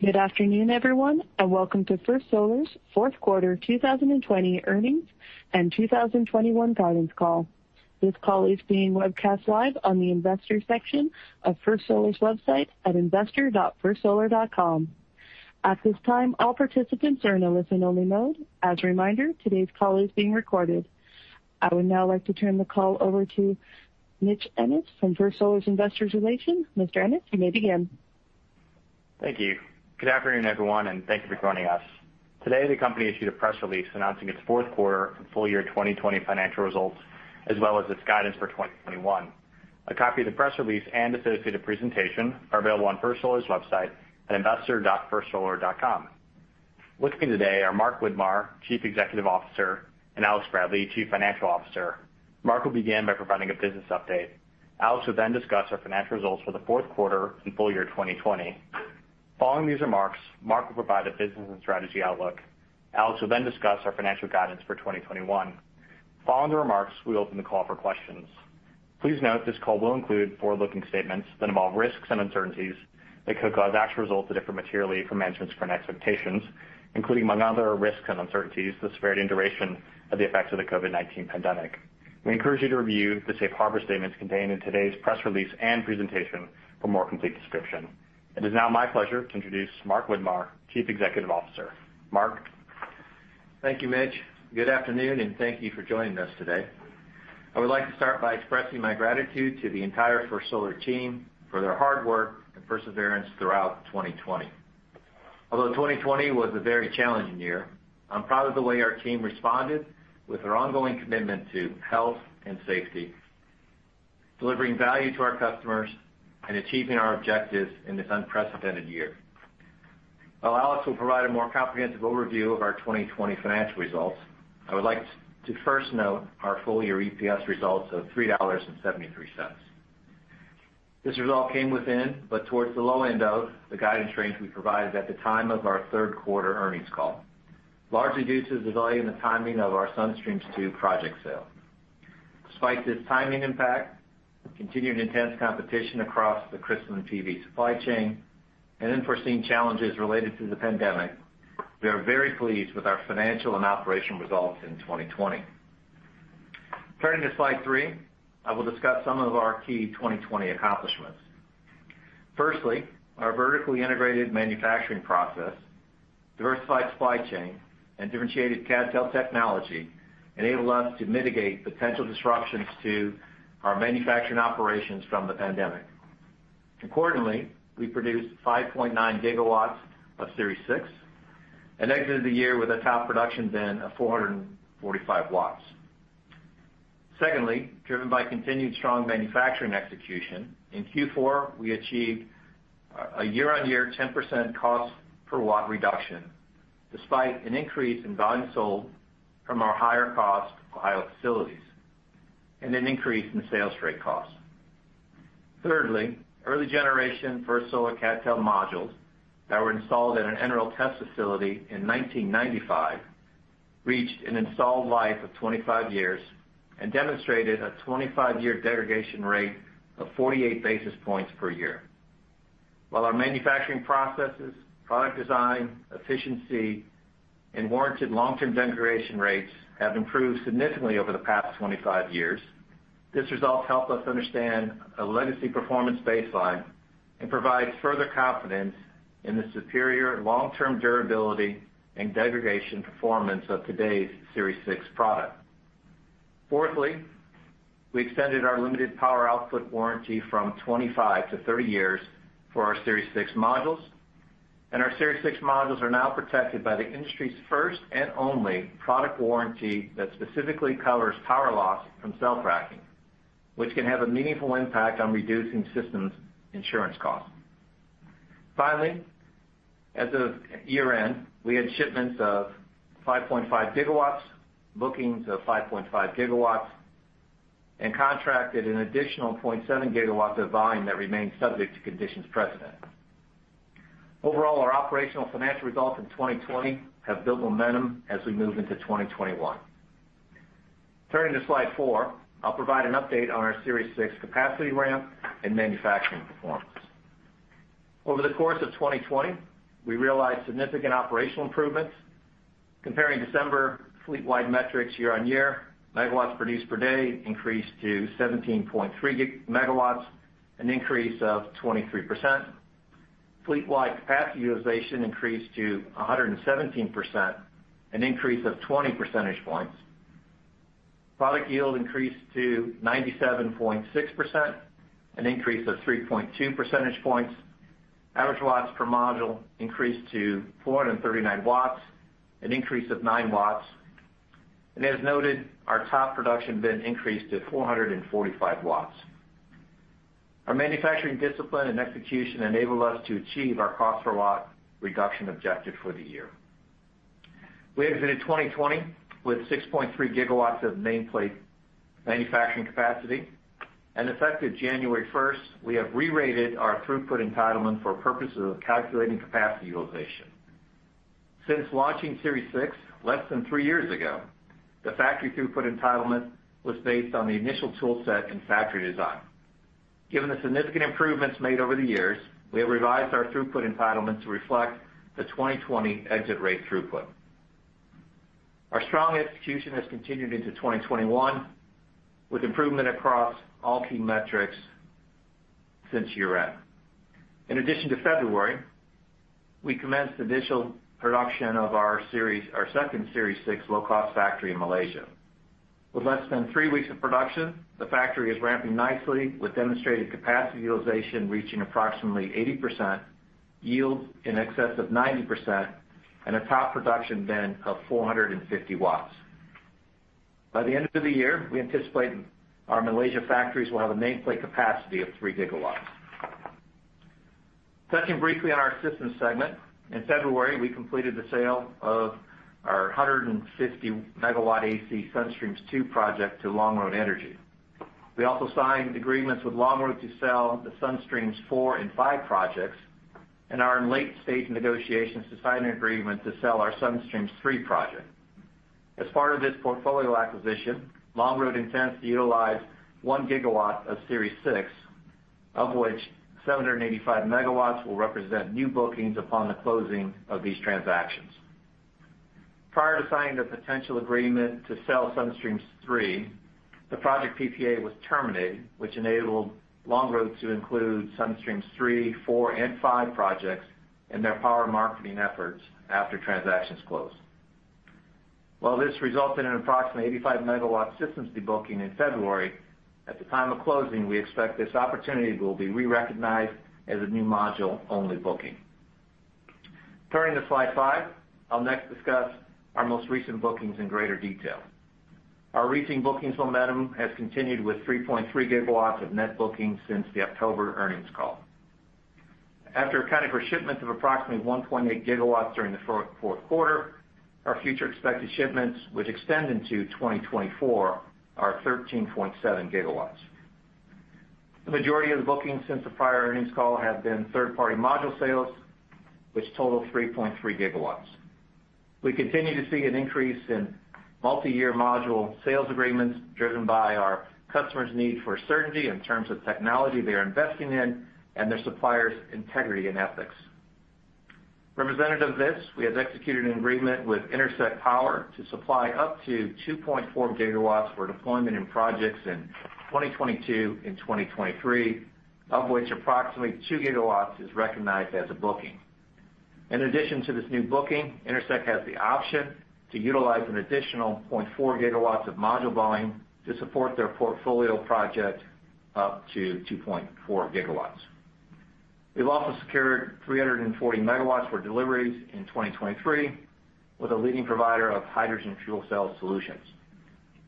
Good afternoon, everyone, and welcome to First Solar's fourth quarter 2020 earnings and 2021 guidance call. This call is being webcast live on the investors section of First Solar's website at investor.firstsolar.com. At this time, all participants are in a listen-only mode. As a reminder, today's call is being recorded. I would now like to turn the call over to Mitch Ennis from First Solar's Investor Relations. Mr. Ennis, you may begin. Thank you. Good afternoon, everyone, and thank you for joining us. Today, the company issued a press release announcing its fourth quarter and full year 2020 financial results, as well as its guidance for 2021. A copy of the press release and associated presentation are available on First Solar's website at investor.firstsolar.com. With me today are Mark Widmar, Chief Executive Officer, and Alex Bradley, Chief Financial Officer. Mark will begin by providing a business update. Alex will then discuss our financial results for the fourth quarter and full year 2020. Following these remarks, Mark will provide a business and strategy outlook. Alex will then discuss our financial guidance for 2021. Following the remarks, we will open the call for questions. Please note this call will include forward-looking statements that involve risks and uncertainties that could cause actual results to differ materially from management's current expectations, including, among other risks and uncertainties, the severity and duration of the effects of the COVID-19 pandemic. We encourage you to review the safe harbor statements contained in today's press release and presentation for more complete description. It is now my pleasure to introduce Mark Widmar, Chief Executive Officer. Mark. Thank you, Mitch. Good afternoon, and thank you for joining us today. I would like to start by expressing my gratitude to the entire First Solar team for their hard work and perseverance throughout 2020. Although 2020 was a very challenging year, I'm proud of the way our team responded with their ongoing commitment to health and safety, delivering value to our customers, and achieving our objectives in this unprecedented year. While Alex will provide a more comprehensive overview of our 2020 financial results, I would like to first note our full-year EPS results of $3.73. This result came within, but towards the low end of, the guidance range we provided at the time of our third quarter earnings call, largely due to the volume and timing of our Sun Streams 2 project sale. Despite this timing impact, continued intense competition across the crystalline PV supply chain, and unforeseen challenges related to the pandemic, we are very pleased with our financial and operational results in 2020. Turning to slide three, I will discuss some of our key 2020 accomplishments. Firstly, our vertically integrated manufacturing process, diversified supply chain, and differentiated CdTe technology enabled us to mitigate potential disruptions to our manufacturing operations from the pandemic. Accordingly, we produced 5.9 GW of Series 6 and exited the year with a top production bin of 445 W. Secondly, driven by continued strong manufacturing execution, in Q4, we achieved a year-on-year 10% cost per watt reduction, despite an increase in volume sold from our higher cost Ohio facilities and an increase in sales freight costs. Early generation First Solar CdTe modules that were installed at an NREL test facility in 1995 reached an installed life of 25 years and demonstrated a 25-year degradation rate of 48 basis points per year. While our manufacturing processes, product design, efficiency, and warranted long-term degradation rates have improved significantly over the past 25 years, this result helped us understand a legacy performance baseline and provides further confidence in the superior long-term durability and degradation performance of today's Series 6 product. We extended our limited power output warranty from 25 to 30 years for our Series 6 modules, and our Series 6 modules are now protected by the industry's first and only product warranty that specifically covers power loss from cell cracking, which can have a meaningful impact on reducing systems insurance costs. Finally, at the year-end, we had shipments of 5.5 GW, bookings of 5.5 GW, and contracted an additional 0.7 GW of volume that remains subject to conditions precedent. Overall, our operational financial results in 2020 have built momentum as we move into 2021. Turning to slide four, I'll provide an update on our Series 6 capacity ramp and manufacturing performance. Over the course of 2020, we realized significant operational improvements. Comparing December fleetwide metrics year-on-year, megawatts produced per day increased to 17.3 MW, an increase of 23%. Fleetwide capacity utilization increased to 117%, an increase of 20 percentage points. Product yield increased to 97.6%, an increase of 3.2 percentage points. Average watts per module increased to 439 W, an increase of 9 W. As noted, our top production bin increased to 445 W. Our manufacturing discipline and execution enabled us to achieve our cost per watt reduction objective for the year. We exited 2020 with 6.3 GW of nameplate manufacturing capacity. Effective January 1st, we have rerated our throughput entitlement for purposes of calculating capacity utilization. Since launching Series 6 less than three years ago, the factory throughput entitlement was based on the initial tool set and factory design. Given the significant improvements made over the years, we have revised our throughput entitlement to reflect the 2020 exit rate throughput. Our strong execution has continued into 2021, with improvement across all key metrics since year-end. In addition to February, we commenced initial production of our second Series 6 low-cost factory in Malaysia. With less than three weeks of production, the factory is ramping nicely, with demonstrated capacity utilization reaching approximately 80%, yield in excess of 90%, and a top production bin of 450 W. By the end of the year, we anticipate our Malaysia factories will have a nameplate capacity of 3 GW. Touching briefly on our systems segment, in February, we completed the sale of our 150 MW AC Sun Streams 2 project to Longroad Energy. We also signed agreements with Longroad to sell the Sun Streams 4 and 5 projects and are in late-stage negotiations to sign an agreement to sell our Sun Streams 3 project. As part of this portfolio acquisition, Longroad intends to utilize 1 GW of Series 6, of which 785 MW will represent new bookings upon the closing of these transactions. Prior to signing the potential agreement to sell Sun Streams 3, the project PPA was terminated, which enabled Longroad to include Sun Streams 3, 4, and 5 projects in their power marketing efforts after transactions close. While this resulted in an approximately 85 MW systems de-booking in February, at the time of closing, we expect this opportunity will be re-recognized as a new module-only booking. Turning to slide five, I'll next discuss our most recent bookings in greater detail. Our recent bookings momentum has continued with 3.3 GW of net bookings since the October earnings call. After accounting for shipments of approximately 1.8 GW during the fourth quarter, our future expected shipments, which extend into 2024, are 13.7 GW. The majority of the bookings since the prior earnings call have been third-party module sales, which total 3.3 GW. We continue to see an increase in multi-year module sales agreements driven by our customers' need for certainty in terms of technology they're investing in and their suppliers' integrity and ethics. Representative of this, we have executed an agreement with Intersect Power to supply up to 2.4 GW for deployment in projects in 2022 and 2023, of which approximately 2 GW is recognized as a booking. In addition to this new booking, Intersect has the option to utilize an additional 0.4 GW of module volume to support their portfolio project up to 2.4 GW. We've also secured 340 MW for deliveries in 2023 with a leading provider of hydrogen fuel cell solutions.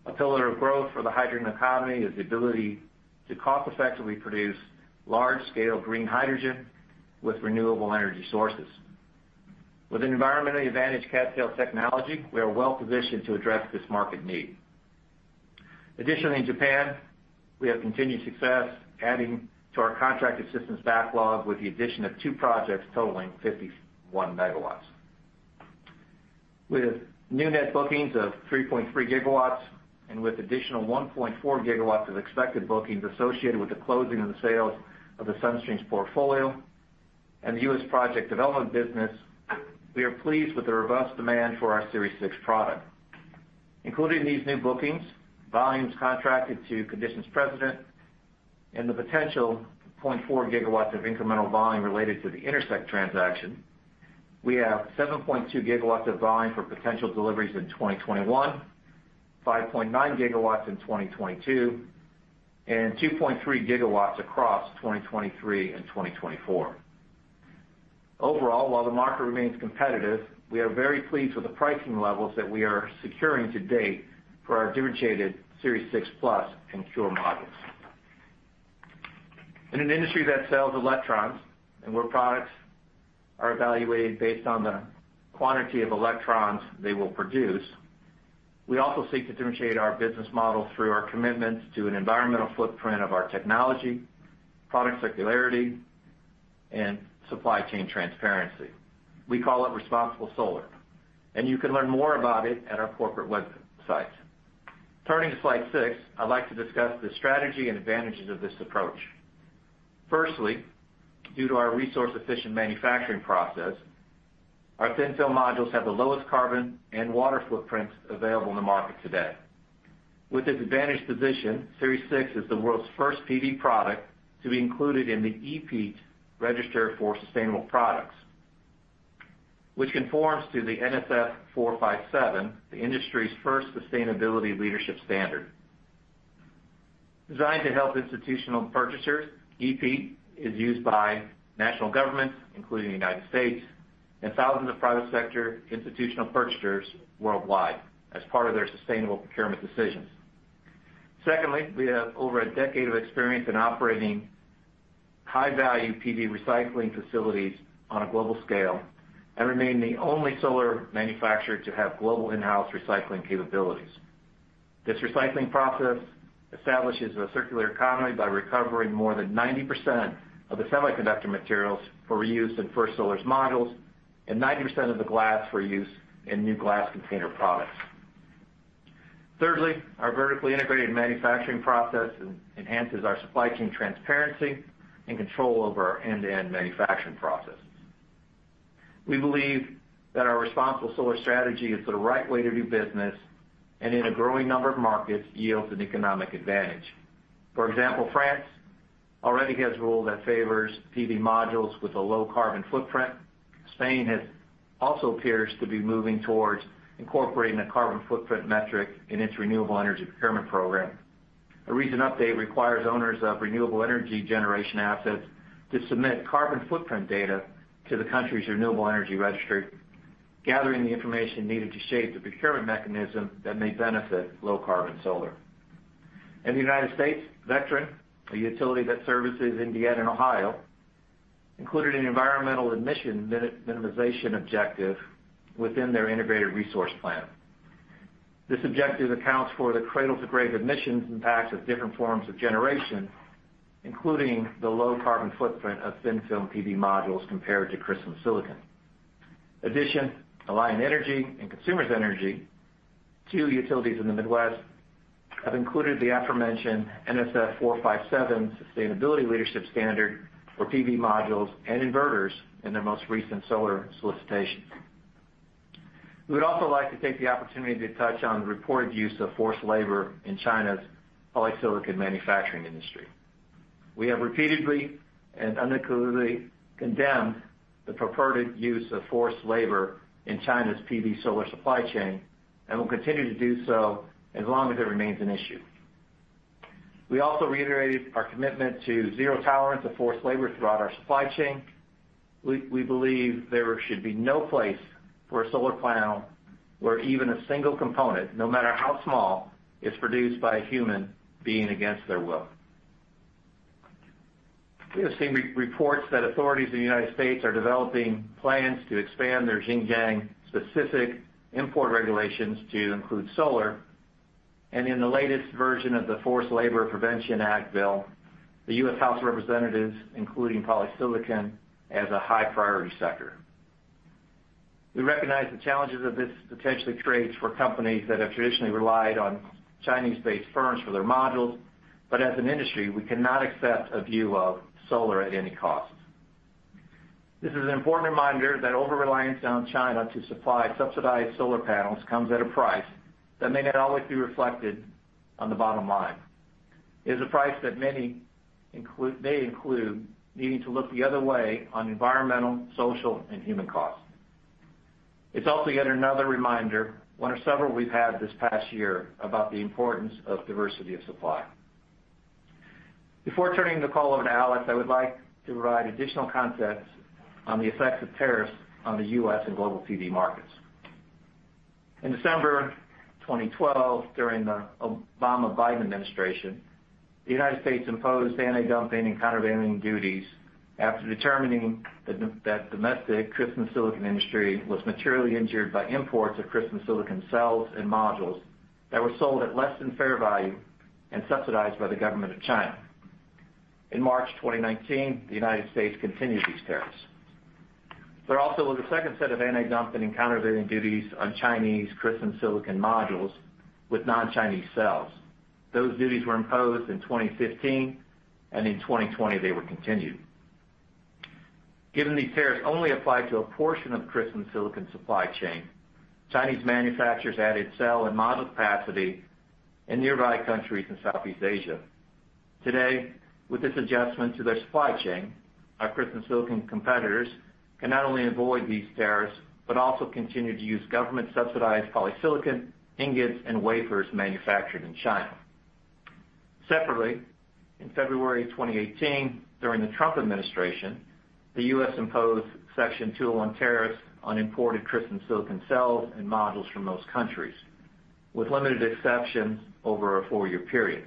A pillar of growth for the hydrogen economy is the ability to cost-effectively produce large-scale green hydrogen with renewable energy sources. With an environmentally advantaged CdTe cell technology, we are well positioned to address this market need. Additionally, in Japan, we have continued success adding to our contracted systems backlog with the addition of two projects totaling 51 MW. With new net bookings of 3.3 GW and with additional 1.4 GW of expected bookings associated with the closing of the sales of the Sun Streams portfolio and the U.S. project development business, we are pleased with the robust demand for our Series 6 product. Including these new bookings, volumes contracted to conditions precedent, and the potential 0.4 GW of incremental volume related to the Intersect transaction, we have 7.2 GW of volume for potential deliveries in 2021, 5.9 GW in 2022, and 2.3 GW across 2023 and 2024. Overall, while the market remains competitive, we are very pleased with the pricing levels that we are securing to date for our differentiated Series 6 Plus and CuRe modules. In an industry that sells electrons and where products are evaluated based on the quantity of electrons they will produce, we also seek to differentiate our business model through our commitments to an environmental footprint of our technology, product circularity, and supply chain transparency. We call it Responsible Solar, and you can learn more about it at our corporate website. Turning to slide six, I'd like to discuss the strategy and advantages of this approach. Firstly, due to our resource-efficient manufacturing process, our thin-film modules have the lowest carbon and water footprints available in the market today. With this advantaged position, Series 6 is the world's first PV product to be included in the EPEAT Register for Sustainable Products, which conforms to the NSF 457, the industry's first sustainability leadership standard. Designed to help institutional purchasers, EPEAT is used by national governments, including the United States, and thousands of private sector institutional purchasers worldwide as part of their sustainable procurement decisions. Secondly, we have over a decade of experience in operating high-value PV recycling facilities on a global scale and remain the only solar manufacturer to have global in-house recycling capabilities. This recycling process establishes a circular economy by recovering more than 90% of the semiconductor materials for reuse in First Solar's modules and 90% of the glass for use in new glass container products. Thirdly, our vertically integrated manufacturing process enhances our supply chain transparency and control over our end-to-end manufacturing process. We believe that our Responsible Solar strategy is the right way to do business, and in a growing number of markets, yields an economic advantage. For example, France already has a rule that favors PV modules with a low carbon footprint. Spain also appears to be moving towards incorporating a carbon footprint metric in its renewable energy procurement program. A recent update requires owners of renewable energy generation assets to submit carbon footprint data to the country's renewable energy registry, gathering the information needed to shape the procurement mechanism that may benefit low carbon solar. In the United States, Vectren, a utility that services Indiana and Ohio, included an environmental emission minimization objective within their integrated resource plan. This objective accounts for the cradle to grave emissions impacts of different forms of generation, including the low carbon footprint of thin-film PV modules compared to crystalline silicon. In addition, Alliant Energy and Consumers Energy, two utilities in the Midwest, have included the aforementioned NSF 457 sustainability leadership standard for PV modules and inverters in their most recent solar solicitation. We would also like to take the opportunity to touch on the reported use of forced labor in China's polysilicon manufacturing industry. We have repeatedly and unequivocally condemned the purported use of forced labor in China's PV solar supply chain, and will continue to do so as long as it remains an issue. We also reiterated our commitment to zero tolerance of forced labor throughout our supply chain. We believe there should be no place for a solar panel where even a single component, no matter how small, is produced by a human being against their will. We have seen reports that authorities in the United States are developing plans to expand their Xinjiang-specific import regulations to include solar, and in the latest version of the Forced Labor Prevention Act bill, the U.S. House of Representatives including polysilicon as a high priority sector. We recognize the challenges that this potentially creates for companies that have traditionally relied on Chinese-based firms for their modules, but as an industry, we cannot accept a view of solar at any cost. This is an important reminder that over-reliance on China to supply subsidized solar panels comes at a price that may not always be reflected on the bottom line. It is a price that may include needing to look the other way on environmental, social, and human costs. It's also yet another reminder, one of several we've had this past year, about the importance of diversity of supply. Before turning the call over to Alex, I would like to provide additional context on the effects of tariffs on the U.S. and global PV markets. In December 2012, during the Obama-Biden administration, the United States imposed antidumping and countervailing duties after determining that the domestic crystalline silicon industry was materially injured by imports of crystalline silicon cells and modules that were sold at less than fair value and subsidized by the government of China. In March 2019, the United States continued these tariffs. There also was a second set of antidumping and countervailing duties on Chinese crystalline silicon modules with non-Chinese cells. Those duties were imposed in 2015. In 2020 they were continued. Given these tariffs only apply to a portion of the crystalline silicon supply chain, Chinese manufacturers added cell and module capacity in nearby countries in Southeast Asia. Today, with this adjustment to their supply chain, our crystalline silicon competitors can not only avoid these tariffs, but also continue to use government-subsidized polysilicon, ingots, and wafers manufactured in China. Separately, in February 2018, during the Trump administration, the U.S. imposed Section 201 tariffs on imported crystalline silicon cells and modules from most countries, with limited exceptions over a four-year period.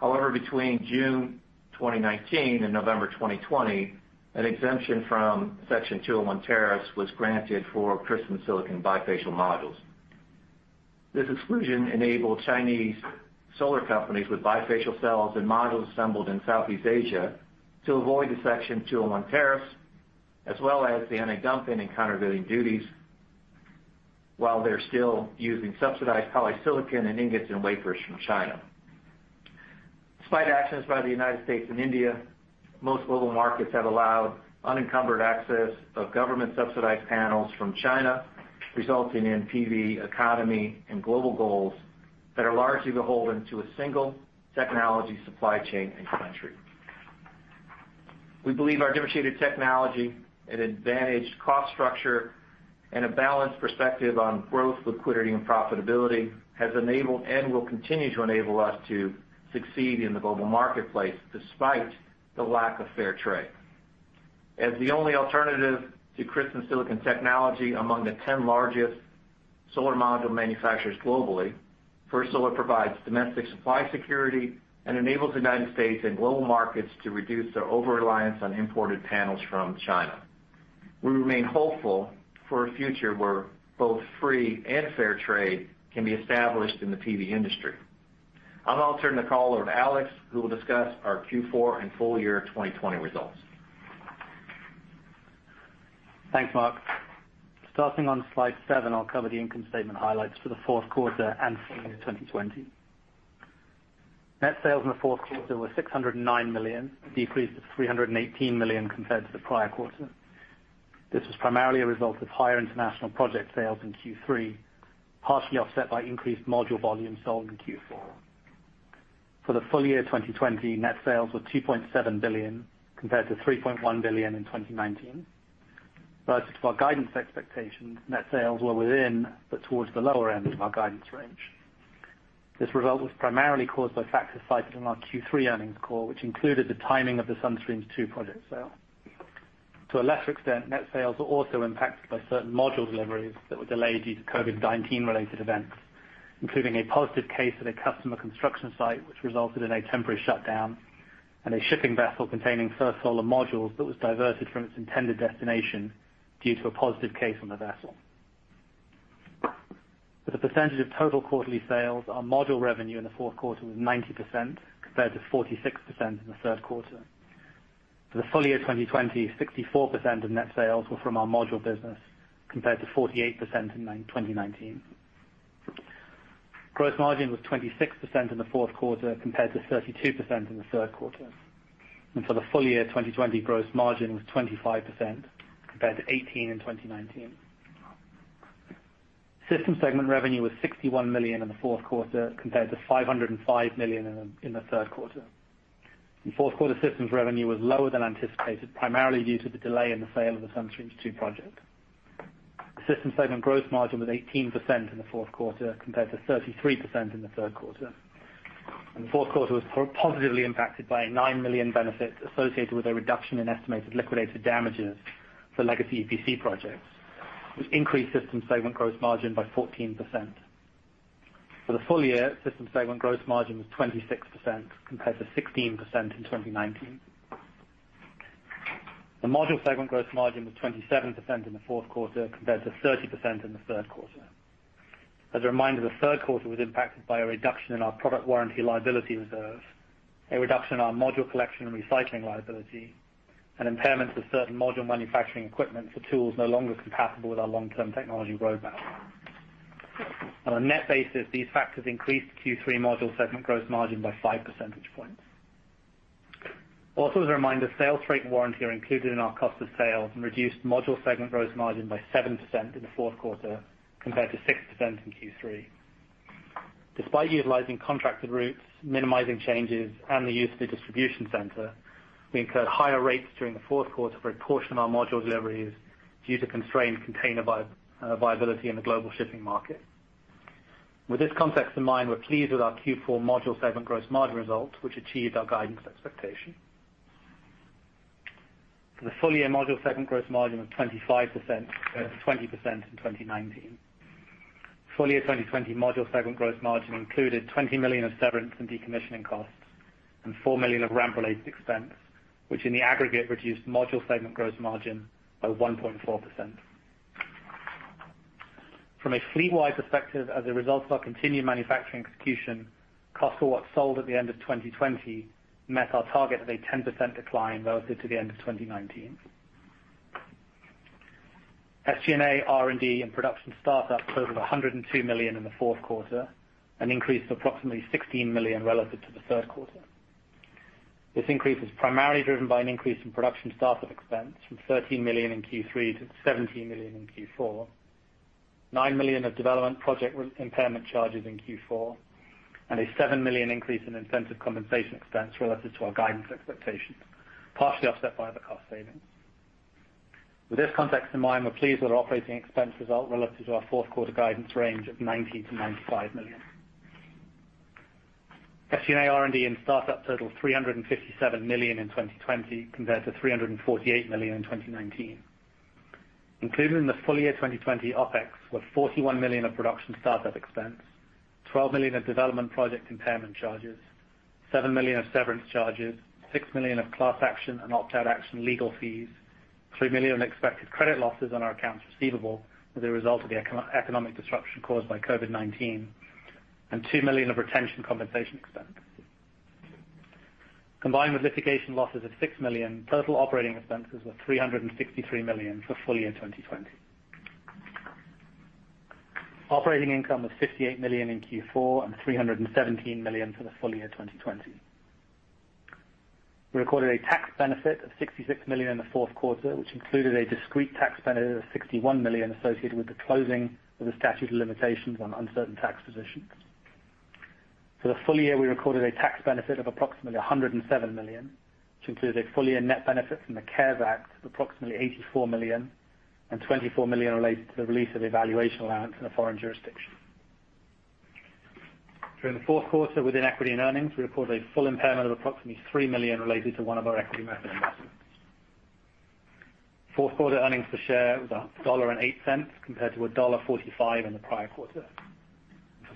Between June 2019 and November 2020, an exemption from Section 201 tariffs was granted for crystalline silicon bifacial modules. This exclusion enabled Chinese solar companies with bifacial cells and modules assembled in Southeast Asia to avoid the Section 201 tariffs, as well as the antidumping and countervailing duties, while they're still using subsidized polysilicon and ingots and wafers from China. Despite actions by the United States and India, most global markets have allowed unencumbered access of government-subsidized panels from China, resulting in PV economy and global goals that are largely beholden to a single technology supply chain and country. We believe our differentiated technology and advantaged cost structure and a balanced perspective on growth, liquidity, and profitability has enabled and will continue to enable us to succeed in the global marketplace despite the lack of fair trade. As the only alternative to crystalline silicon technology among the 10 largest solar module manufacturers globally, First Solar provides domestic supply security and enables the United States and global markets to reduce their overreliance on imported panels from China. We remain hopeful for a future where both free and fair trade can be established in the PV industry. I'll now turn the call over to Alex, who will discuss our Q4 and full year 2020 results. Thanks, Mark. Starting on slide seven, I'll cover the income statement highlights for the fourth quarter and full year 2020. Net sales in the fourth quarter were $609 million, a decrease of $318 million compared to the prior quarter. This was primarily a result of higher international project sales in Q3, partially offset by increased module volume sold in Q4. For the full year 2020, net sales were $2.7 billion compared to $3.1 billion in 2019. Relative to our guidance expectations, net sales were within, but towards the lower end of our guidance range. This result was primarily caused by factors cited in our Q3 earnings call, which included the timing of the Sun Streams 2 project sale. To a lesser extent, net sales were also impacted by certain module deliveries that were delayed due to COVID-19 related events, including a positive case at a customer construction site, which resulted in a temporary shutdown and a shipping vessel containing First Solar modules that was diverted from its intended destination due to a positive case on the vessel. For the percentage of total quarterly sales, our module revenue in the fourth quarter was 90% compared to 46% in the third quarter. For the full year 2020, 64% of net sales were from our module business, compared to 48% in 2019. Gross margin was 26% in the fourth quarter, compared to 32% in the third quarter. For the full year 2020, gross margin was 25% compared to 18% in 2019. System segment revenue was $61 million in the fourth quarter compared to $505 million in the third quarter. In fourth quarter, systems revenue was lower than anticipated, primarily due to the delay in the sale of the Sun Streams 2 project. The systems segment gross margin was 18% in the fourth quarter compared to 33% in the third quarter. The fourth quarter was positively impacted by a $9 million benefit associated with a reduction in estimated liquidated damages for legacy EPC projects, which increased systems segment gross margin by 14%. For the full year, systems segment gross margin was 26% compared to 16% in 2019. The module segment gross margin was 27% in the fourth quarter compared to 30% in the third quarter. As a reminder, the third quarter was impacted by a reduction in our product warranty liability reserve, a reduction in our module collection and recycling liability, and impairment to certain module manufacturing equipment for tools no longer compatible with our long-term technology roadmap. On a net basis, these factors increased Q3 module segment gross margin by 5 percentage points. Also, as a reminder, sales freight and warranty are included in our cost of sales and reduced module segment gross margin by 7% in the fourth quarter compared to 6% in Q3. Despite utilizing contracted routes, minimizing changes, and the use of the distribution center, we incurred higher rates during the fourth quarter for a portion of our module deliveries due to constrained container viability in the global shipping market. With this context in mind, we're pleased with our Q4 module segment gross margin results, which achieved our guidance expectation. For the full year module segment gross margin was 25% compared to 20% in 2019. Full year 2020 module segment gross margin included $20 million of severance and decommissioning costs and $4 million of ramp related expense, which in the aggregate reduced module segment gross margin by 1.4%. From a fleet-wide perspective, as a result of our continued manufacturing execution, cost per watt sold at the end of 2020 met our target of a 10% decline relative to the end of 2019. SG&A, R&D, and production startup totals $102 million in the fourth quarter, an increase of approximately $16 million relative to the third quarter. This increase was primarily driven by an increase in production startup expense from $13 million in Q3 to $17 million in Q4, $9 million of development project impairment charges in Q4, and a $7 million increase in incentive compensation expense relative to our guidance expectations, partially offset by other cost savings. With this context in mind, we're pleased with our operating expense result relative to our fourth quarter guidance range of $90 million-$95 million. SG&A, R&D, and startup totaled $357 million in 2020 compared to $348 million in 2019. Included in the full year 2020 OpEx were $41 million of production startup expense, $12 million of development project impairment charges, $7 million of severance charges, $6 million of class action and opt-out action legal fees, $3 million unexpected credit losses on our accounts receivable as a result of the economic disruption caused by COVID-19, and $2 million of retention compensation expense. Combined with litigation losses of $6 million, total operating expenses were $363 million for full year 2020. Operating income was $58 million in Q4 and $317 million for the full year 2020. We recorded a tax benefit of $66 million in the fourth quarter, which included a discrete tax benefit of $61 million associated with the closing of the statute of limitations on uncertain tax positions. For the full year, we recorded a tax benefit of approximately $107 million, which included a full year net benefit from the CARES Act of approximately $84 million and $24 million related to the release of a valuation allowance in a foreign jurisdiction. During the fourth quarter within equity and earnings, we recorded a full impairment of approximately $3 million related to one of our equity methods. Fourth quarter earnings per share was $1.08 compared to $1.45 in the prior quarter.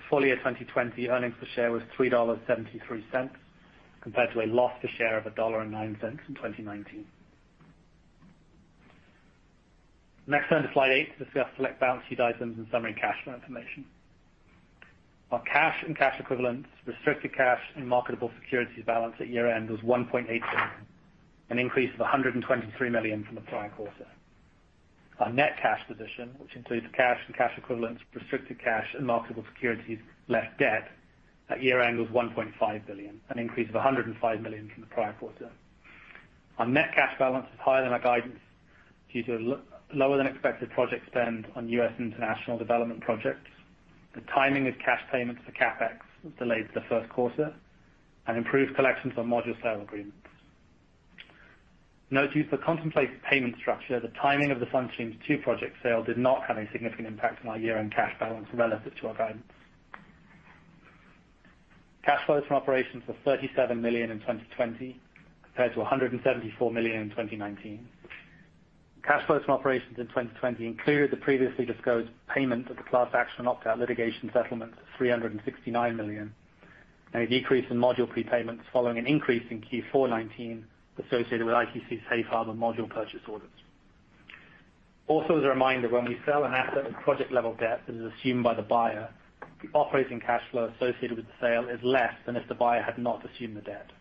For full year 2020 earnings per share was $3.73, compared to a loss per share of $1.09 in 2019. Next turn to slide eight to discuss select balance sheet items and summary cash flow information. Our cash and cash equivalents, restricted cash, and marketable securities balance at year-end was $1.8 billion, an increase of $123 million from the prior quarter. Our net cash position, which includes the cash and cash equivalents, restricted cash, and marketable securities, less debt, at year-end was $1.5 billion, an increase of $105 million from the prior quarter. Our net cash balance is higher than our guidance due to lower than expected project spend on U.S. international development projects. The timing of cash payments for CapEx was delayed to the first quarter and improved collections on module sale agreements. Note due to the contemplated payment structure, the timing of the Sun Streams 2 project sale did not have a significant impact on our year-end cash balance relative to our guidance. Cash flows from operations were $37 million in 2020 compared to $174 million in 2019. Cash flows from operations in 2020 included the previously disclosed payment of the class action opt-out litigation settlement of $369 million, and a decrease in module prepayments following an increase in Q4 2019 associated with ITC safe harbor module purchase orders. As a reminder, when we sell an asset with project-level debt that is assumed by the buyer, the operating cash flow associated with the sale is less than if the buyer had not assumed the debt.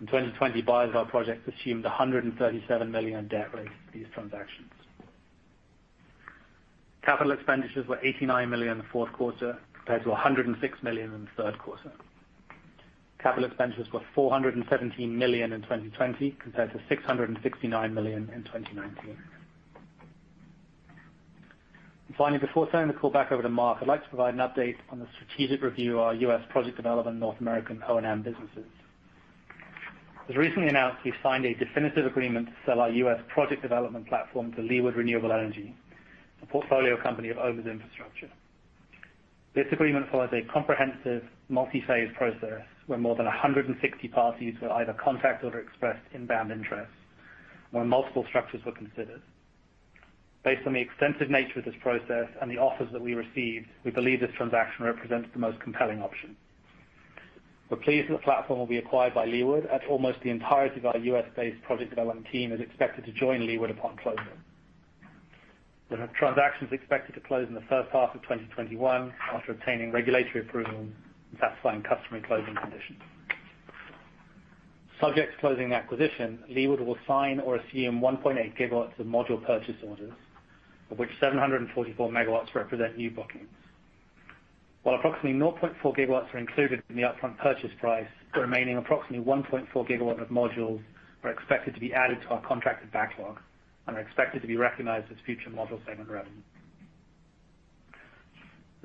In 2020, buyers of our projects assumed $137 million in debt related to these transactions. Capital expenditures were $89 million in the fourth quarter compared to $106 million in the third quarter. Capital expenditures were $417 million in 2020 compared to $669 million in 2019. Finally, before turning the call back over to Mark, I'd like to provide an update on the strategic review of our U.S. project development North American O&M businesses. As recently announced, we've signed a definitive agreement to sell our U.S. project development platform to Leeward Renewable Energy, a portfolio company of OMERS Infrastructure. This agreement follows a comprehensive multi-phase process where more than 160 parties were either contacted or expressed inbound interest, where multiple structures were considered. Based on the extensive nature of this process and the offers that we received, we believe this transaction represents the most compelling option. We're pleased that the platform will be acquired by Leeward, as almost the entirety of our U.S.-based project development team is expected to join Leeward upon closing. The transaction is expected to close in the first half of 2021 after obtaining regulatory approval and satisfying customary closing conditions. Subject to closing the acquisition, Leeward will sign or assume 1.8 GW of module purchase orders, of which 744 MW represent new bookings. While approximately 0.4 GW are included in the upfront purchase price, the remaining approximately 1.4 GW of modules are expected to be added to our contracted backlog and are expected to be recognized as future module shipment revenue.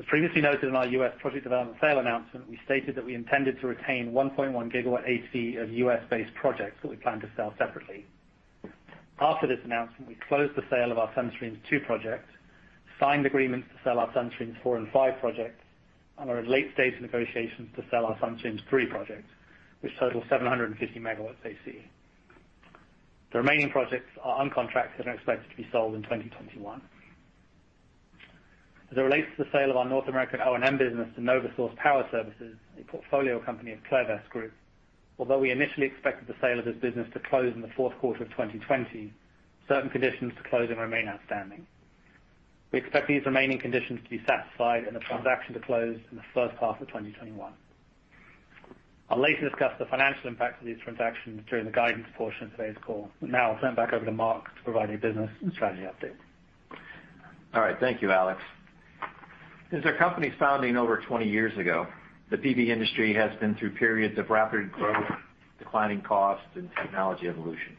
As previously noted in our U.S. project development sale announcement, we stated that we intended to retain 1.1 GW AC of U.S.-based projects that we plan to sell separately. After this announcement, we closed the sale of our Sun Streams 2 project, signed agreements to sell our Sun Streams 4 and 5 projects, and are in late-stage negotiations to sell our Sun Streams 3 project, which totals 750 MW AC. The remaining projects are uncontracted and are expected to be sold in 2021. As it relates to the sale of our North American O&M business to NovaSource Power Services, a portfolio company of Clairvest Group, although we initially expected the sale of this business to close in the fourth quarter of 2020, certain conditions to closing remain outstanding. We expect these remaining conditions to be satisfied and the transaction to close in the first half of 2021. I'll later discuss the financial impact of these transactions during the guidance portion of today's call. Now I'll turn it back over to Mark to provide a business and strategy update. All right. Thank you, Alex. Since our company's founding over 20 years ago, the PV industry has been through periods of rapid growth, declining costs, and technology evolution.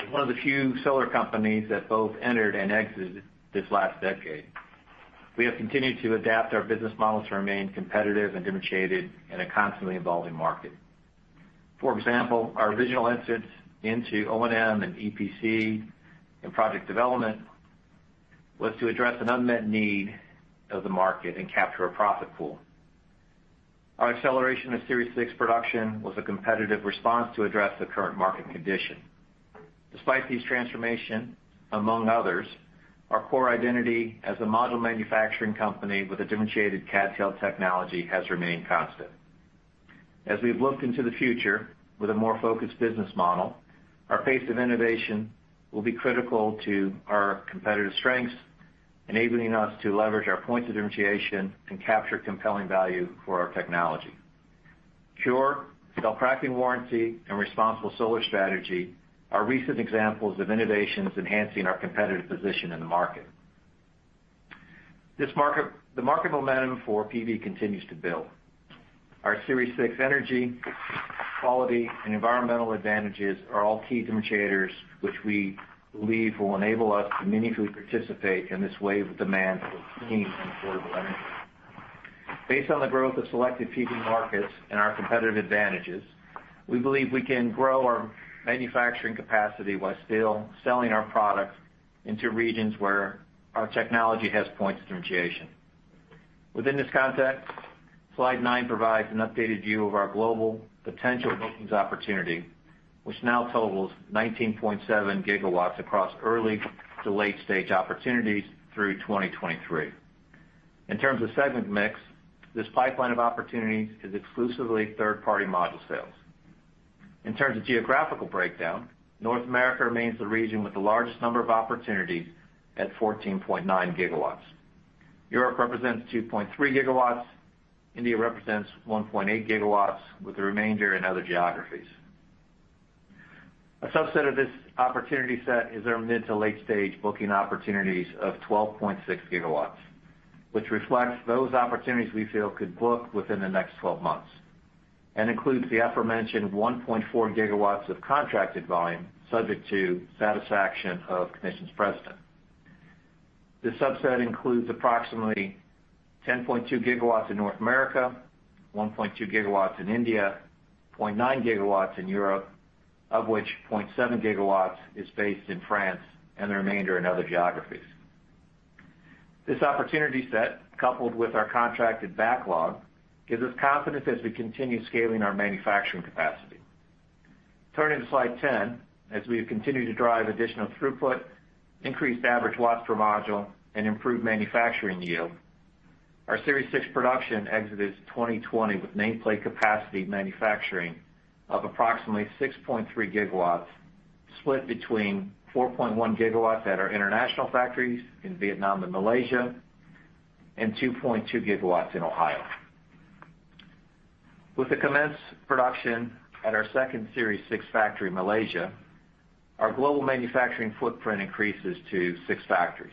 As one of the few solar companies that both entered and exited this last decade, we have continued to adapt our business model to remain competitive and differentiated in a constantly evolving market. For example, our original entrance into O&M and EPC and project development was to address an unmet need of the market and capture a profit pool. Our acceleration of Series 6 production was a competitive response to address the current market condition. Despite these transformations, among others, our core identity as a module manufacturing company with a differentiated CdTe technology has remained constant. As we've looked into the future with a more focused business model, our pace of innovation will be critical to our competitive strengths, enabling us to leverage our points of differentiation and capture compelling value for our technology. CuRe, cell cracking warranty, and Responsible Solar strategy are recent examples of innovations enhancing our competitive position in the market. The market momentum for PV continues to build. Our Series 6 energy, quality, and environmental advantages are all key differentiators which we believe will enable us to meaningfully participate in this wave of demand for clean and affordable energy. Based on the growth of selected PV markets and our competitive advantages, we believe we can grow our manufacturing capacity while still selling our products into regions where our technology has points of differentiation. Within this context, Slide nine provides an updated view of our global potential bookings opportunity, which now totals 19.7 GW across early to late stage opportunities through 2023. In terms of segment mix, this pipeline of opportunities is exclusively third-party module sales. In terms of geographical breakdown, North America remains the region with the largest number of opportunities at 14.9 GW. Europe represents 2.3 GW. India represents 1.8 GW, with the remainder in other geographies. A subset of this opportunity set is our mid to late stage booking opportunities of 12.6 GW, which reflects those opportunities we feel could book within the next 12 months and includes the aforementioned 1.4 GW of contracted volume subject to satisfaction of conditions precedent. This subset includes approximately 10.2 GW in North America, 1.2 GW in India, 0.9 GW in Europe, of which 0.7 GW is based in France and the remainder in other geographies. This opportunity set, coupled with our contracted backlog, gives us confidence as we continue scaling our manufacturing capacity. Turning to slide 10, as we have continued to drive additional throughput, increased average watts per module, and improved manufacturing yield, our Series 6 production exited 2020 with nameplate capacity manufacturing of approximately 6.3 GW, split between 4.1 GW at our international factories in Vietnam and Malaysia, and 2.2 GW in Ohio. With the commenced production at our second Series 6 factory in Malaysia, our global manufacturing footprint increases to six factories.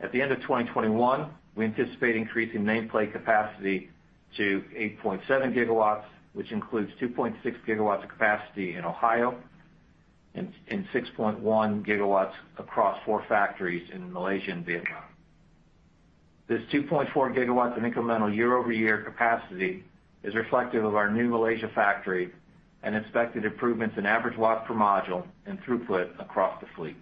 At the end of 2021, we anticipate increasing nameplate capacity to 8.7 GW, which includes 2.6 GW of capacity in Ohio and 6.1 GW across four factories in Malaysia and Vietnam. This 2.4 GW of incremental year-over-year capacity is reflective of our new Malaysia factory and expected improvements in average watts per module and throughput across the fleet.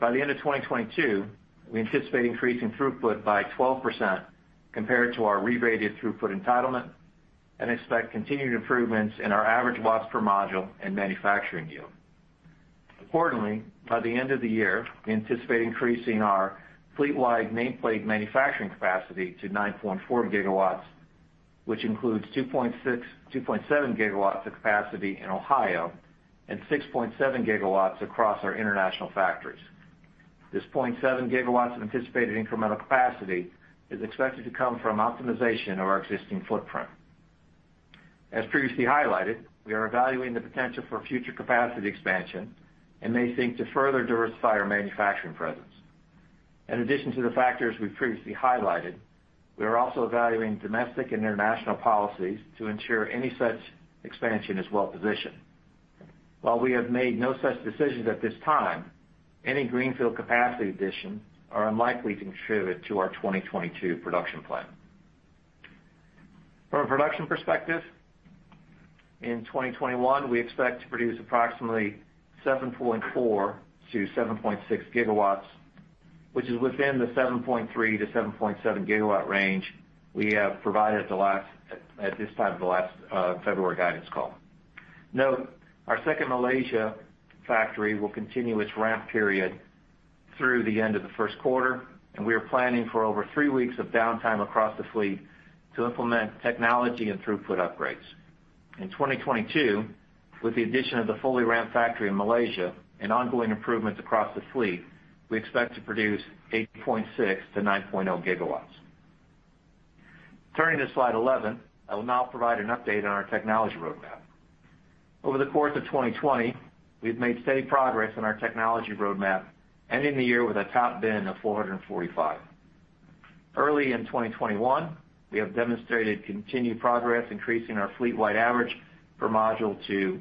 By the end of 2022, we anticipate increasing throughput by 12% compared to our re-rated throughput entitlement and expect continued improvements in our average watts per module and manufacturing yield. Importantly, by the end of the year, we anticipate increasing our fleet-wide nameplate manufacturing capacity to 9.4 GW, which includes 2.7 GW of capacity in Ohio and 6.7 GW across our international factories. This 0.7 GW of anticipated incremental capacity is expected to come from optimization of our existing footprint. As previously highlighted, we are evaluating the potential for future capacity expansion and may seek to further diversify our manufacturing presence. In addition to the factors we've previously highlighted, we are also evaluating domestic and international policies to ensure any such expansion is well-positioned. While we have made no such decisions at this time, any greenfield capacity additions are unlikely to contribute to our 2022 production plan. From a production perspective, in 2021, we expect to produce approximately 7.4 GW-7.6 GW, which is within the 7.3 GW-7.7 GW range we have provided at this time of the last February guidance call. Note, our second Malaysia factory will continue its ramp period through the end of the first quarter. We are planning for over three weeks of downtime across the fleet to implement technology and throughput upgrades. In 2022, with the addition of the fully ramped factory in Malaysia and ongoing improvements across the fleet, we expect to produce 8.6 GW-9.0 GW. Turning to slide 11, I will now provide an update on our technology roadmap. Over the course of 2020, we've made steady progress on our technology roadmap, ending the year with a top bin of 445 W. Early in 2021, we have demonstrated continued progress, increasing our fleet-wide average per module to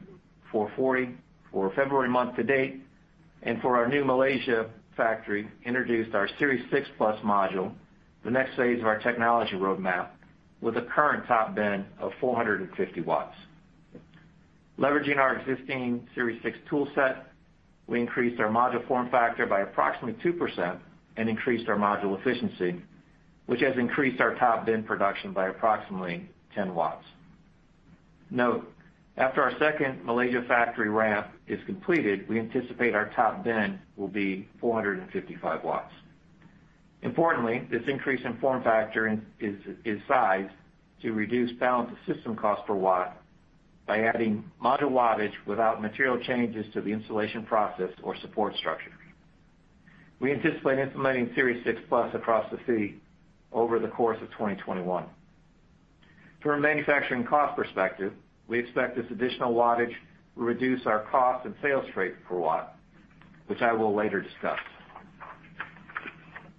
440 W for February month to date, and for our new Malaysia factory, introduced our Series 6 Plus module, the next phase of our technology roadmap, with a current top bin of 450 W. Leveraging our existing Series 6 tool set, we increased our module form factor by approximately 2% and increased our module efficiency, which has increased our top bin production by approximately 10 W. Note, after our second Malaysia factory ramp is completed, we anticipate our top bin will be 455 W. Importantly, this increase in form factor is sized to reduce balance of system cost per watt by adding module wattage without material changes to the installation process or support structure. We anticipate implementing Series 6 Plus across the fleet over the course of 2021. From a manufacturing cost perspective, we expect this additional wattage will reduce our cost and sales freight per watt, which I will later discuss.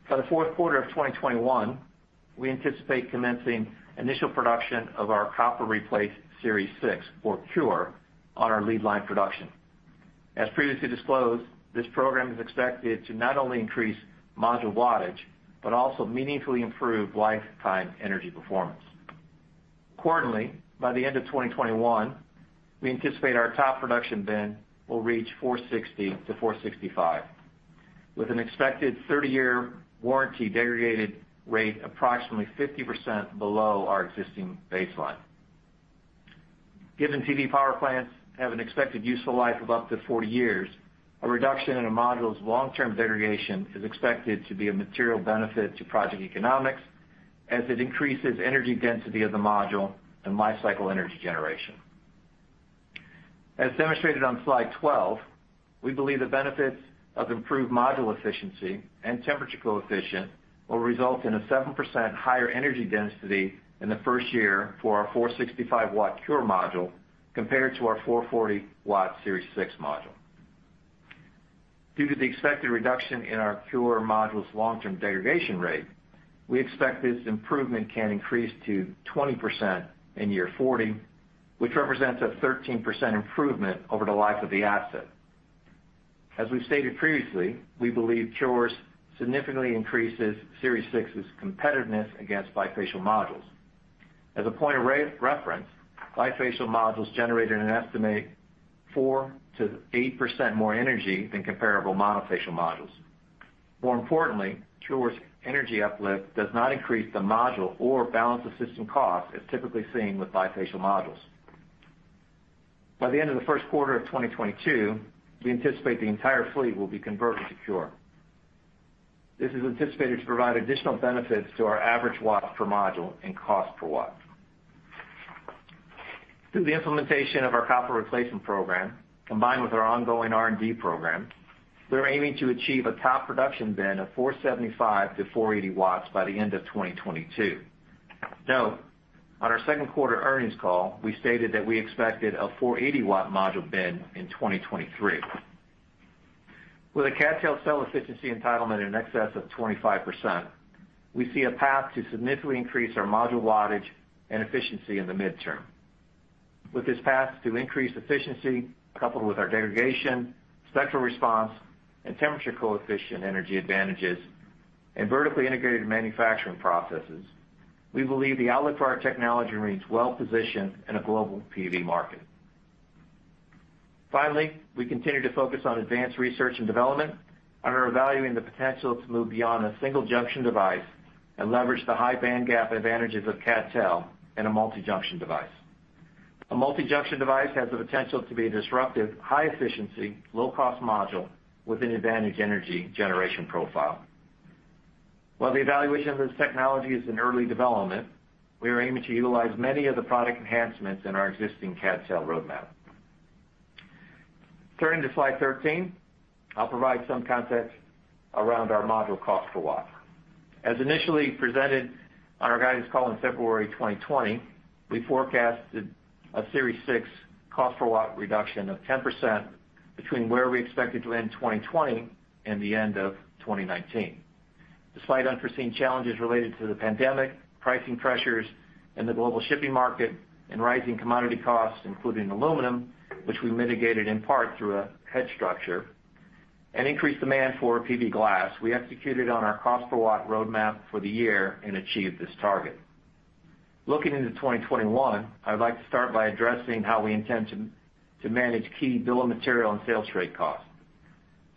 By the fourth quarter of 2021, we anticipate commencing initial production of our Copper Replacement Series 6, or CuRe, on our lead line production. As previously disclosed, this program is expected to not only increase module wattage, but also meaningfully improve lifetime energy performance. Quarterly, by the end of 2021, we anticipate our top production bin will reach 460 W-465 W, with an expected 30-year warranty degradation rate approximately 50% below our existing baseline. Given PV power plants have an expected useful life of up to 40 years, a reduction in a module's long-term degradation is expected to be a material benefit to project economics as it increases energy density of the module and life cycle energy generation. As demonstrated on slide 12, we believe the benefits of improved module efficiency and temperature coefficient will result in a 7% higher energy density in the first year for our 465 W CuRe module compared to our 440 W Series 6 module. Due to the expected reduction in our CuRe module's long-term degradation rate, we expect this improvement can increase to 20% in year 40, which represents a 13% improvement over the life of the asset. As we've stated previously, we believe CuRe significantly increases Series 6's competitiveness against bifacial modules. As a point of reference, bifacial modules generated an estimated 4%-8% more energy than comparable monofacial modules. More importantly, CuRe's energy uplift does not increase the module or balance of system cost as typically seen with bifacial modules. By the end of the first quarter of 2022, we anticipate the entire fleet will be converted to CuRe. This is anticipated to provide additional benefits to our average watt per module and cost per watt. Through the implementation of our Copper Replacement Program, combined with our ongoing R&D program, we are aiming to achieve a top production bin of 475 W-480 W by the end of 2022. Note, on our second quarter earnings call, we stated that we expected a 480 W module bin in 2023. With a CdTe cell efficiency entitlement in excess of 25%, we see a path to significantly increase our module wattage and efficiency in the midterm. With this path to increased efficiency, coupled with our degradation, spectral response, and temperature coefficient energy advantages, and vertically integrated manufacturing processes, we believe the outlook for our technology remains well positioned in a global PV market. Finally, we continue to focus on advanced research and development and are evaluating the potential to move beyond a single-junction device and leverage the high bandgap advantages of CdTe in a multi-junction device. A multi-junction device has the potential to be a disruptive, high efficiency, low-cost module with an advantage energy generation profile. While the evaluation of this technology is in early development, we are aiming to utilize many of the product enhancements in our existing CdTe roadmap. Turning to slide 13, I'll provide some context around our module cost per watt. As initially presented on our guidance call in February 2020, we forecasted a Series 6 cost per watt reduction of 10% between where we expected to end 2020 and the end of 2019. Despite unforeseen challenges related to the pandemic, pricing pressures in the global shipping market, and rising commodity costs, including aluminum, which we mitigated in part through a hedge structure, and increased demand for PV glass, we executed on our cost per watt roadmap for the year and achieved this target. Looking into 2021, I would like to start by addressing how we intend to manage key bill of material and sales rate costs.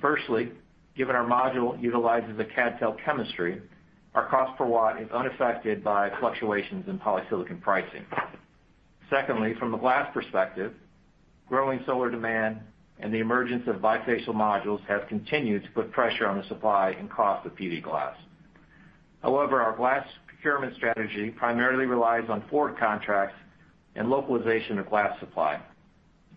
Firstly, given our module utilizes the CdTe chemistry, our cost per watt is unaffected by fluctuations in polysilicon pricing. Secondly, from the glass perspective, growing solar demand and the emergence of bifacial modules have continued to put pressure on the supply and cost of PV glass. However, our glass procurement strategy primarily relies on forward contracts and localization of glass supply.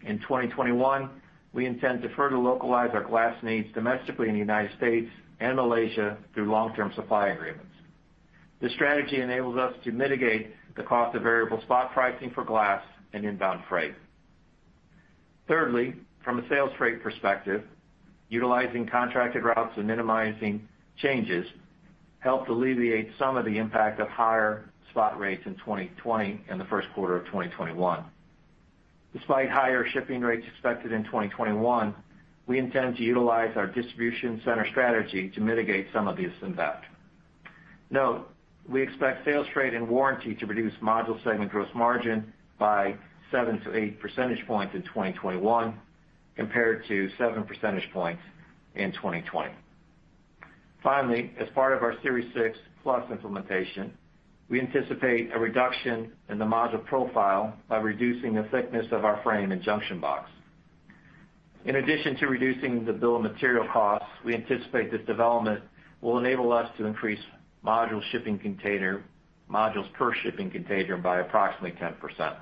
In 2021, we intend to further localize our glass needs domestically in the United States and Malaysia through long-term supply agreements. This strategy enables us to mitigate the cost of variable spot pricing for glass and inbound freight. From a sales freight perspective, utilizing contracted routes and minimizing changes helped alleviate some of the impact of higher spot rates in 2020 and the first quarter of 2021. Despite higher shipping rates expected in 2021, we intend to utilize our distribution center strategy to mitigate some of this impact. Note, we expect sales freight and warranty to reduce module segment gross margin by 7-8 percentage points in 2021 compared to 7 percentage points in 2020. As part of our Series 6 Plus implementation, we anticipate a reduction in the module profile by reducing the thickness of our frame and junction box. In addition to reducing the bill of material costs, we anticipate this development will enable us to increase modules per shipping container by approximately 10%.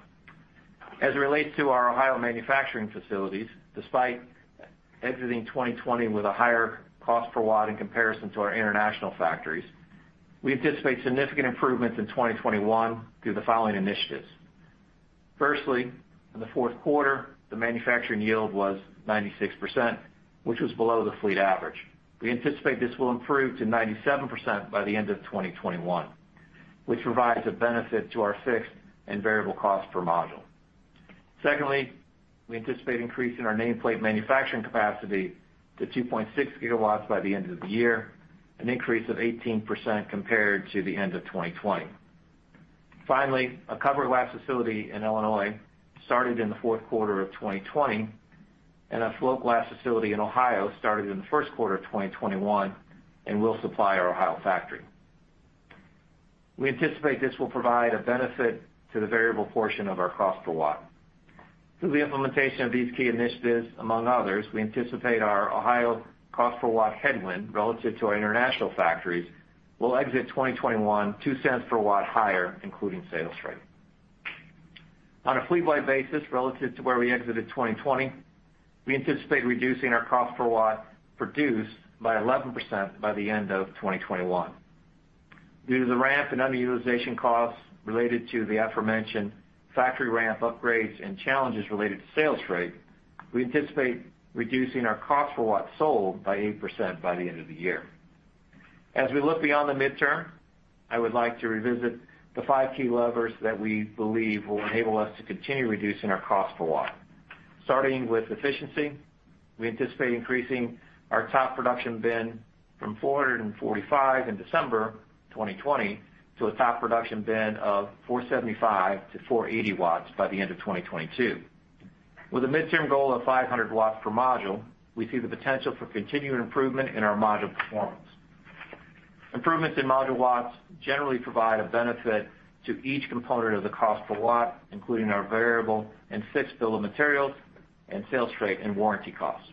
As it relates to our Ohio manufacturing facilities, despite exiting 2020 with a higher cost per watt in comparison to our international factories, we anticipate significant improvements in 2021 through the following initiatives. Firstly, in the fourth quarter, the manufacturing yield was 96%, which was below the fleet average. We anticipate this will improve to 97% by the end of 2021, which provides a benefit to our fixed and variable cost per module. Secondly, we anticipate increasing our nameplate manufacturing capacity to 2.6 GW by the end of the year, an increase of 18% compared to the end of 2020. Finally, a coated glass facility in Illinois started in the fourth quarter of 2020, and a float glass facility in Ohio started in the first quarter of 2021 and will supply our Ohio factory. We anticipate this will provide a benefit to the variable portion of our cost per watt. Through the implementation of these key initiatives, among others, we anticipate our Ohio cost per watt headwind relative to our international factories will exit 2021 $0.02 per watt higher, including sales rate. On a fleet-wide basis, relative to where we exited 2020, we anticipate reducing our cost per watt produced by 11% by the end of 2021. Due to the ramp and underutilization costs related to the aforementioned factory ramp upgrades and challenges related to sales rate, we anticipate reducing our cost per watt sold by 8% by the end of the year. As we look beyond the midterm, I would like to revisit the five key levers that we believe will enable us to continue reducing our cost per watt. Starting with efficiency, we anticipate increasing our top production bin from 445 W in December 2020 to a top production bin of 475 W-480 W by the end of 2022. With a midterm goal of 500 watts per module, we see the potential for continued improvement in our module performance. Improvements in module watts generally provide a benefit to each component of the cost per watt, including our variable and fixed bill of materials and sales rate and warranty costs.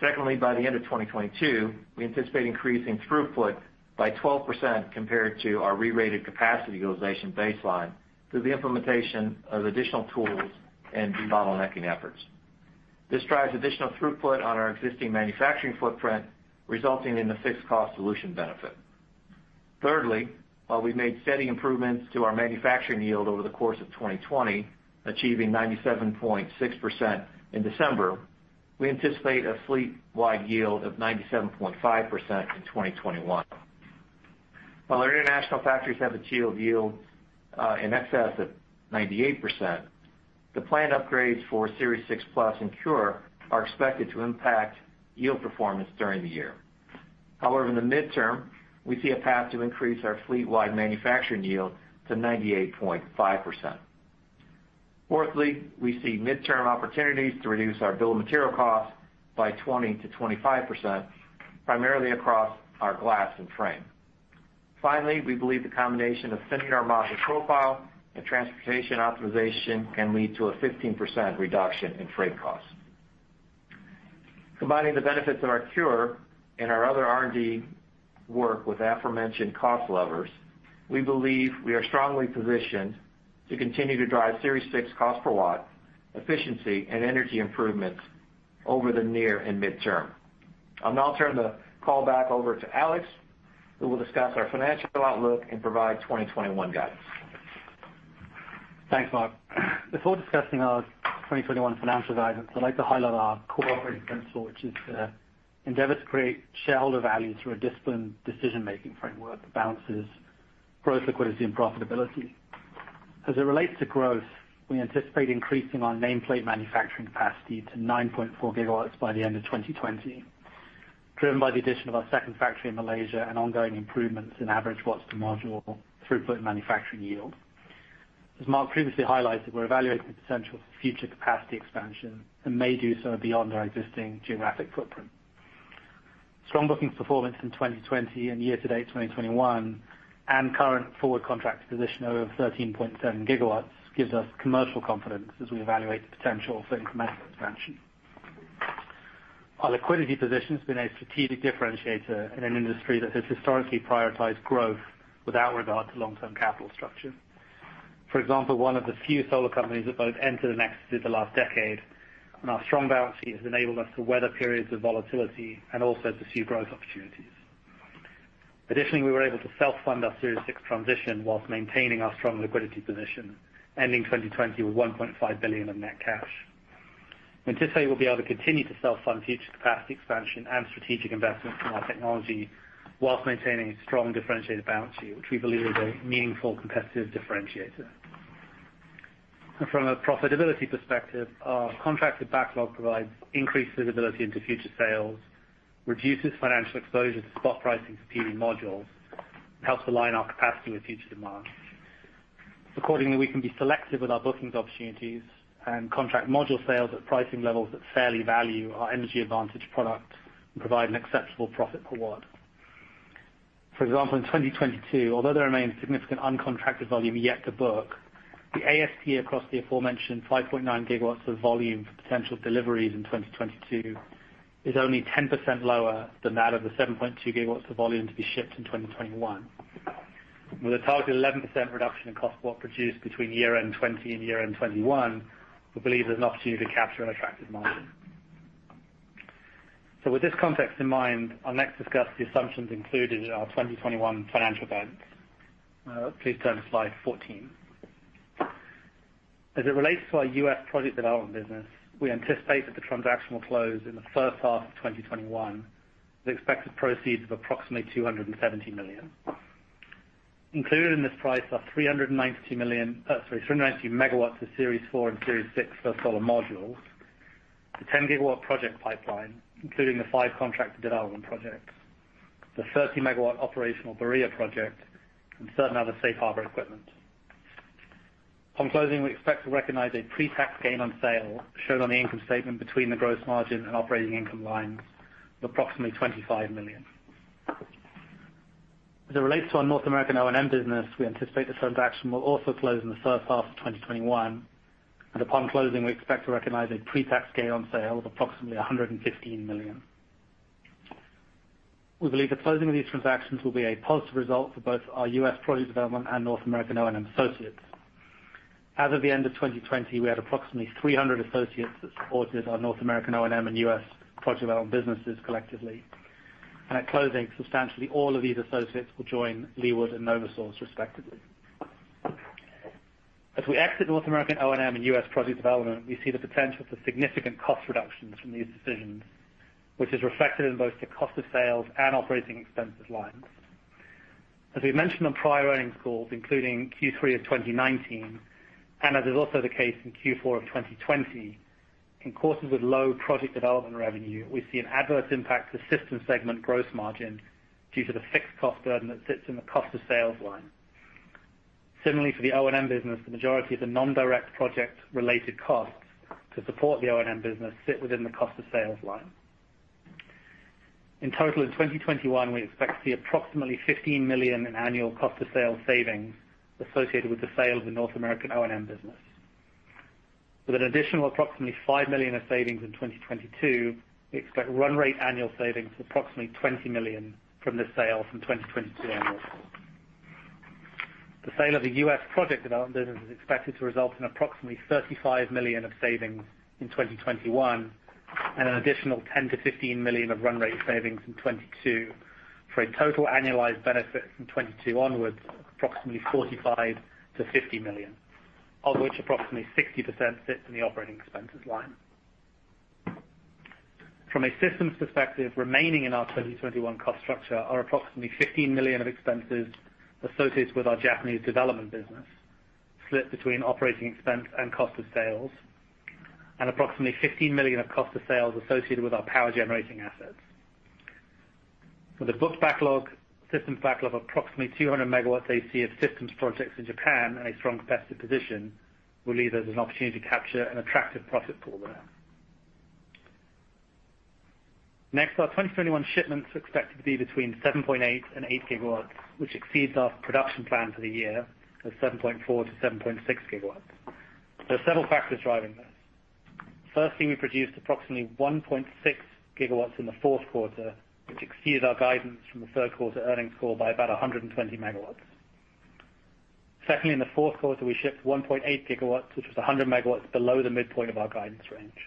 Secondly, by the end of 2022, we anticipate increasing throughput by 12% compared to our rerated capacity utilization baseline through the implementation of additional tools and de-bottlenecking efforts. This drives additional throughput on our existing manufacturing footprint, resulting in a fixed cost dilution benefit. Thirdly, while we've made steady improvements to our manufacturing yield over the course of 2020, achieving 97.6% in December, we anticipate a fleet-wide yield of 97.5% in 2021. While our international factories have achieved yield in excess of 98%, the planned upgrades for Series 6 Plus and CuRe are expected to impact yield performance during the year. However, in the midterm, we see a path to increase our fleet-wide manufacturing yield to 98.5%. Fourthly, we see midterm opportunities to reduce our bill of material costs by 20%-25%, primarily across our glass and frame. Finally, we believe the combination of thinning our module profile and transportation optimization can lead to a 15% reduction in freight costs. Combining the benefits of our CuRe and our other R&D work with aforementioned cost levers, we believe we are strongly positioned to continue to drive Series 6 cost per watt efficiency and energy improvements over the near and midterm. I'll now turn the call back over to Alex, who will discuss our financial outlook and provide 2021 guidance. Thanks, Mark. Before discussing our 2021 financial guidance, I'd like to highlight our core operating principle, which is to endeavor to create shareholder value through a disciplined decision-making framework that balances growth, liquidity, and profitability. As it relates to growth, we anticipate increasing our nameplate manufacturing capacity to 9.4 GW by the end of 2020, driven by the addition of our second factory in Malaysia and ongoing improvements in average watts to module throughput and manufacturing yield. As Mark previously highlighted, we're evaluating the potential for future capacity expansion and may do so beyond our existing geographic footprint. Strong bookings performance in 2020 and year-to-date 2021 and current forward contract position of 13.7 GW gives us commercial confidence as we evaluate the potential for incremental expansion. Our liquidity position has been a strategic differentiator in an industry that has historically prioritized growth without regard to long-term capital structure. One of the few solar companies that both entered and exited the last decade on our strong balance sheet has enabled us to weather periods of volatility and also to see growth opportunities. We were able to self-fund our Series 6 transition while maintaining our strong liquidity position, ending 2020 with $1.5 billion of net cash. We anticipate we'll be able to continue to self-fund future capacity expansion and strategic investments in our technology while maintaining a strong differentiated balance sheet, which we believe is a meaningful competitive differentiator. From a profitability perspective, our contracted backlog provides increased visibility into future sales, reduces financial exposure to spot pricing for PV modules, and helps align our capacity with future demands. Accordingly, we can be selective with our bookings opportunities and contract module sales at pricing levels that fairly value our energy advantage product and provide an acceptable profit per watt. For example, in 2022, although there remains significant uncontracted volume yet to book, the ASP across the aforementioned 5.9 GW of volume for potential deliveries in 2022 is only 10% lower than that of the 7.2 GW of volume to be shipped in 2021. With a targeted 11% reduction in cost per watt produced between year-end 2020 and year-end 2021, we believe there's an opportunity to capture an attractive margin. With this context in mind, I'll next discuss the assumptions included in our 2021 financial guidance. Please turn to slide 14. As it relates to our U.S. project development business, we anticipate that the transaction will close in the first half of 2021 with expected proceeds of approximately $270 million. Included in this price are 390 MW of Series 4 and Series 6 solar modules, the 10 GW project pipeline, including the five contracted development projects, the 30 MW operational Barilla project, and certain other safe harbor equipment. On closing, we expect to recognize a pre-tax gain on sale shown on the income statement between the gross margin and operating income lines of approximately $25 million. As it relates to our North American O&M business, we anticipate this transaction will also close in the first half of 2021. Upon closing, we expect to recognize a pre-tax gain on sale of approximately $115 million. We believe the closing of these transactions will be a positive result for both our U.S. project development and North American O&M associates. As of the end of 2020, we had approximately 300 associates that supported our North American O&M and U.S. project development businesses collectively. At closing, substantially all of these associates will join Leeward and NovaSource respectively. As we exit North American O&M and U.S. project development, we see the potential for significant cost reductions from these decisions, which is reflected in both the cost of sales and operating expenses lines. As we mentioned on prior earnings calls, including Q3 of 2019, and as is also the case in Q4 of 2020, in quarters with low project development revenue, we see an adverse impact to systems segment gross margin due to the fixed cost burden that sits in the cost of sales line. Similarly, for the O&M business, the majority of the non-direct project related costs to support the O&M business sit within the cost of sales line. In total, in 2021, we expect to see approximately $15 million in annual cost of sales savings associated with the sale of the North American O&M business. With an additional approximately $5 million of savings in 2022, we expect run rate annual savings of approximately $20 million from the sale from 2022 onwards. The sale of the U.S. project development business is expected to result in approximately $35 million of savings in 2021, and an additional $10 million-$15 million of run rate savings in 2022, for a total annualized benefit from 2022 onwards of approximately $45 million-$50 million, of which approximately 60% sits in the operating expenses line. From a systems perspective, remaining in our 2021 cost structure are approximately $15 million of expenses associated with our Japanese development business, split between operating expense and cost of sales, and approximately $15 million of cost of sales associated with our power generating assets. With a booked backlog, systems backlog of approximately 200 MW AC of systems projects in Japan and a strong competitive position, we believe there's an opportunity to capture an attractive profit pool there. Next, our 2021 shipments are expected to be between 7.8 GW and 8 GW, which exceeds our production plan for the year of 7.4 GW-7.6 GW. There are several factors driving this. Firstly, we produced approximately 1.6 GW in the fourth quarter, which exceeds our guidance from the third quarter earnings call by about 120 MW. Secondly, in the fourth quarter, we shipped 1.8 GW, which was 100 MW below the midpoint of our guidance range.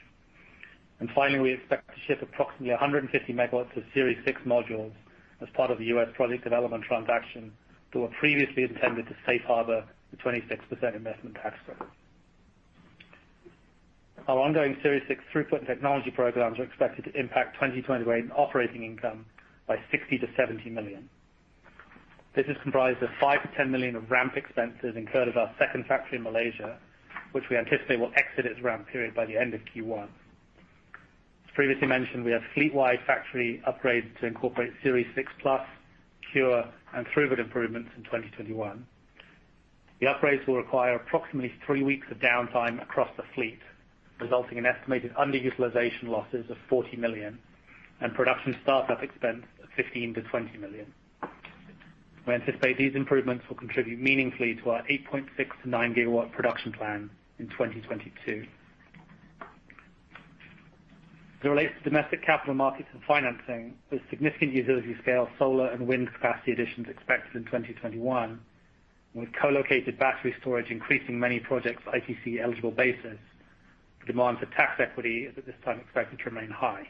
Finally, we expect to ship approximately 150 MW of Series 6 modules as part of the U.S. project development transaction that were previously intended to safe harbor the 26% investment tax credit. Our ongoing Series 6 throughput and technology programs are expected to impact 2020 operating income by $60 million-$70 million. This is comprised of $5 million-$10 million of ramp expenses incurred at our second factory in Malaysia, which we anticipate will exit its ramp period by the end of Q1. As previously mentioned, we have fleet-wide factory upgrades to incorporate Series 6 Plus, CuRe, and throughput improvements in 2021. The upgrades will require approximately three weeks of downtime across the fleet, resulting in estimated underutilization losses of $40 million and production startup expense of $15 million-$20 million. We anticipate these improvements will contribute meaningfully to our 8.6 GW-9 GW production plan in 2022. As it relates to domestic capital markets and financing, with significant utility scale solar and wind capacity additions expected in 2021, with co-located battery storage increasing many projects' ITC eligible basis, the demand for tax equity is at this time expected to remain high.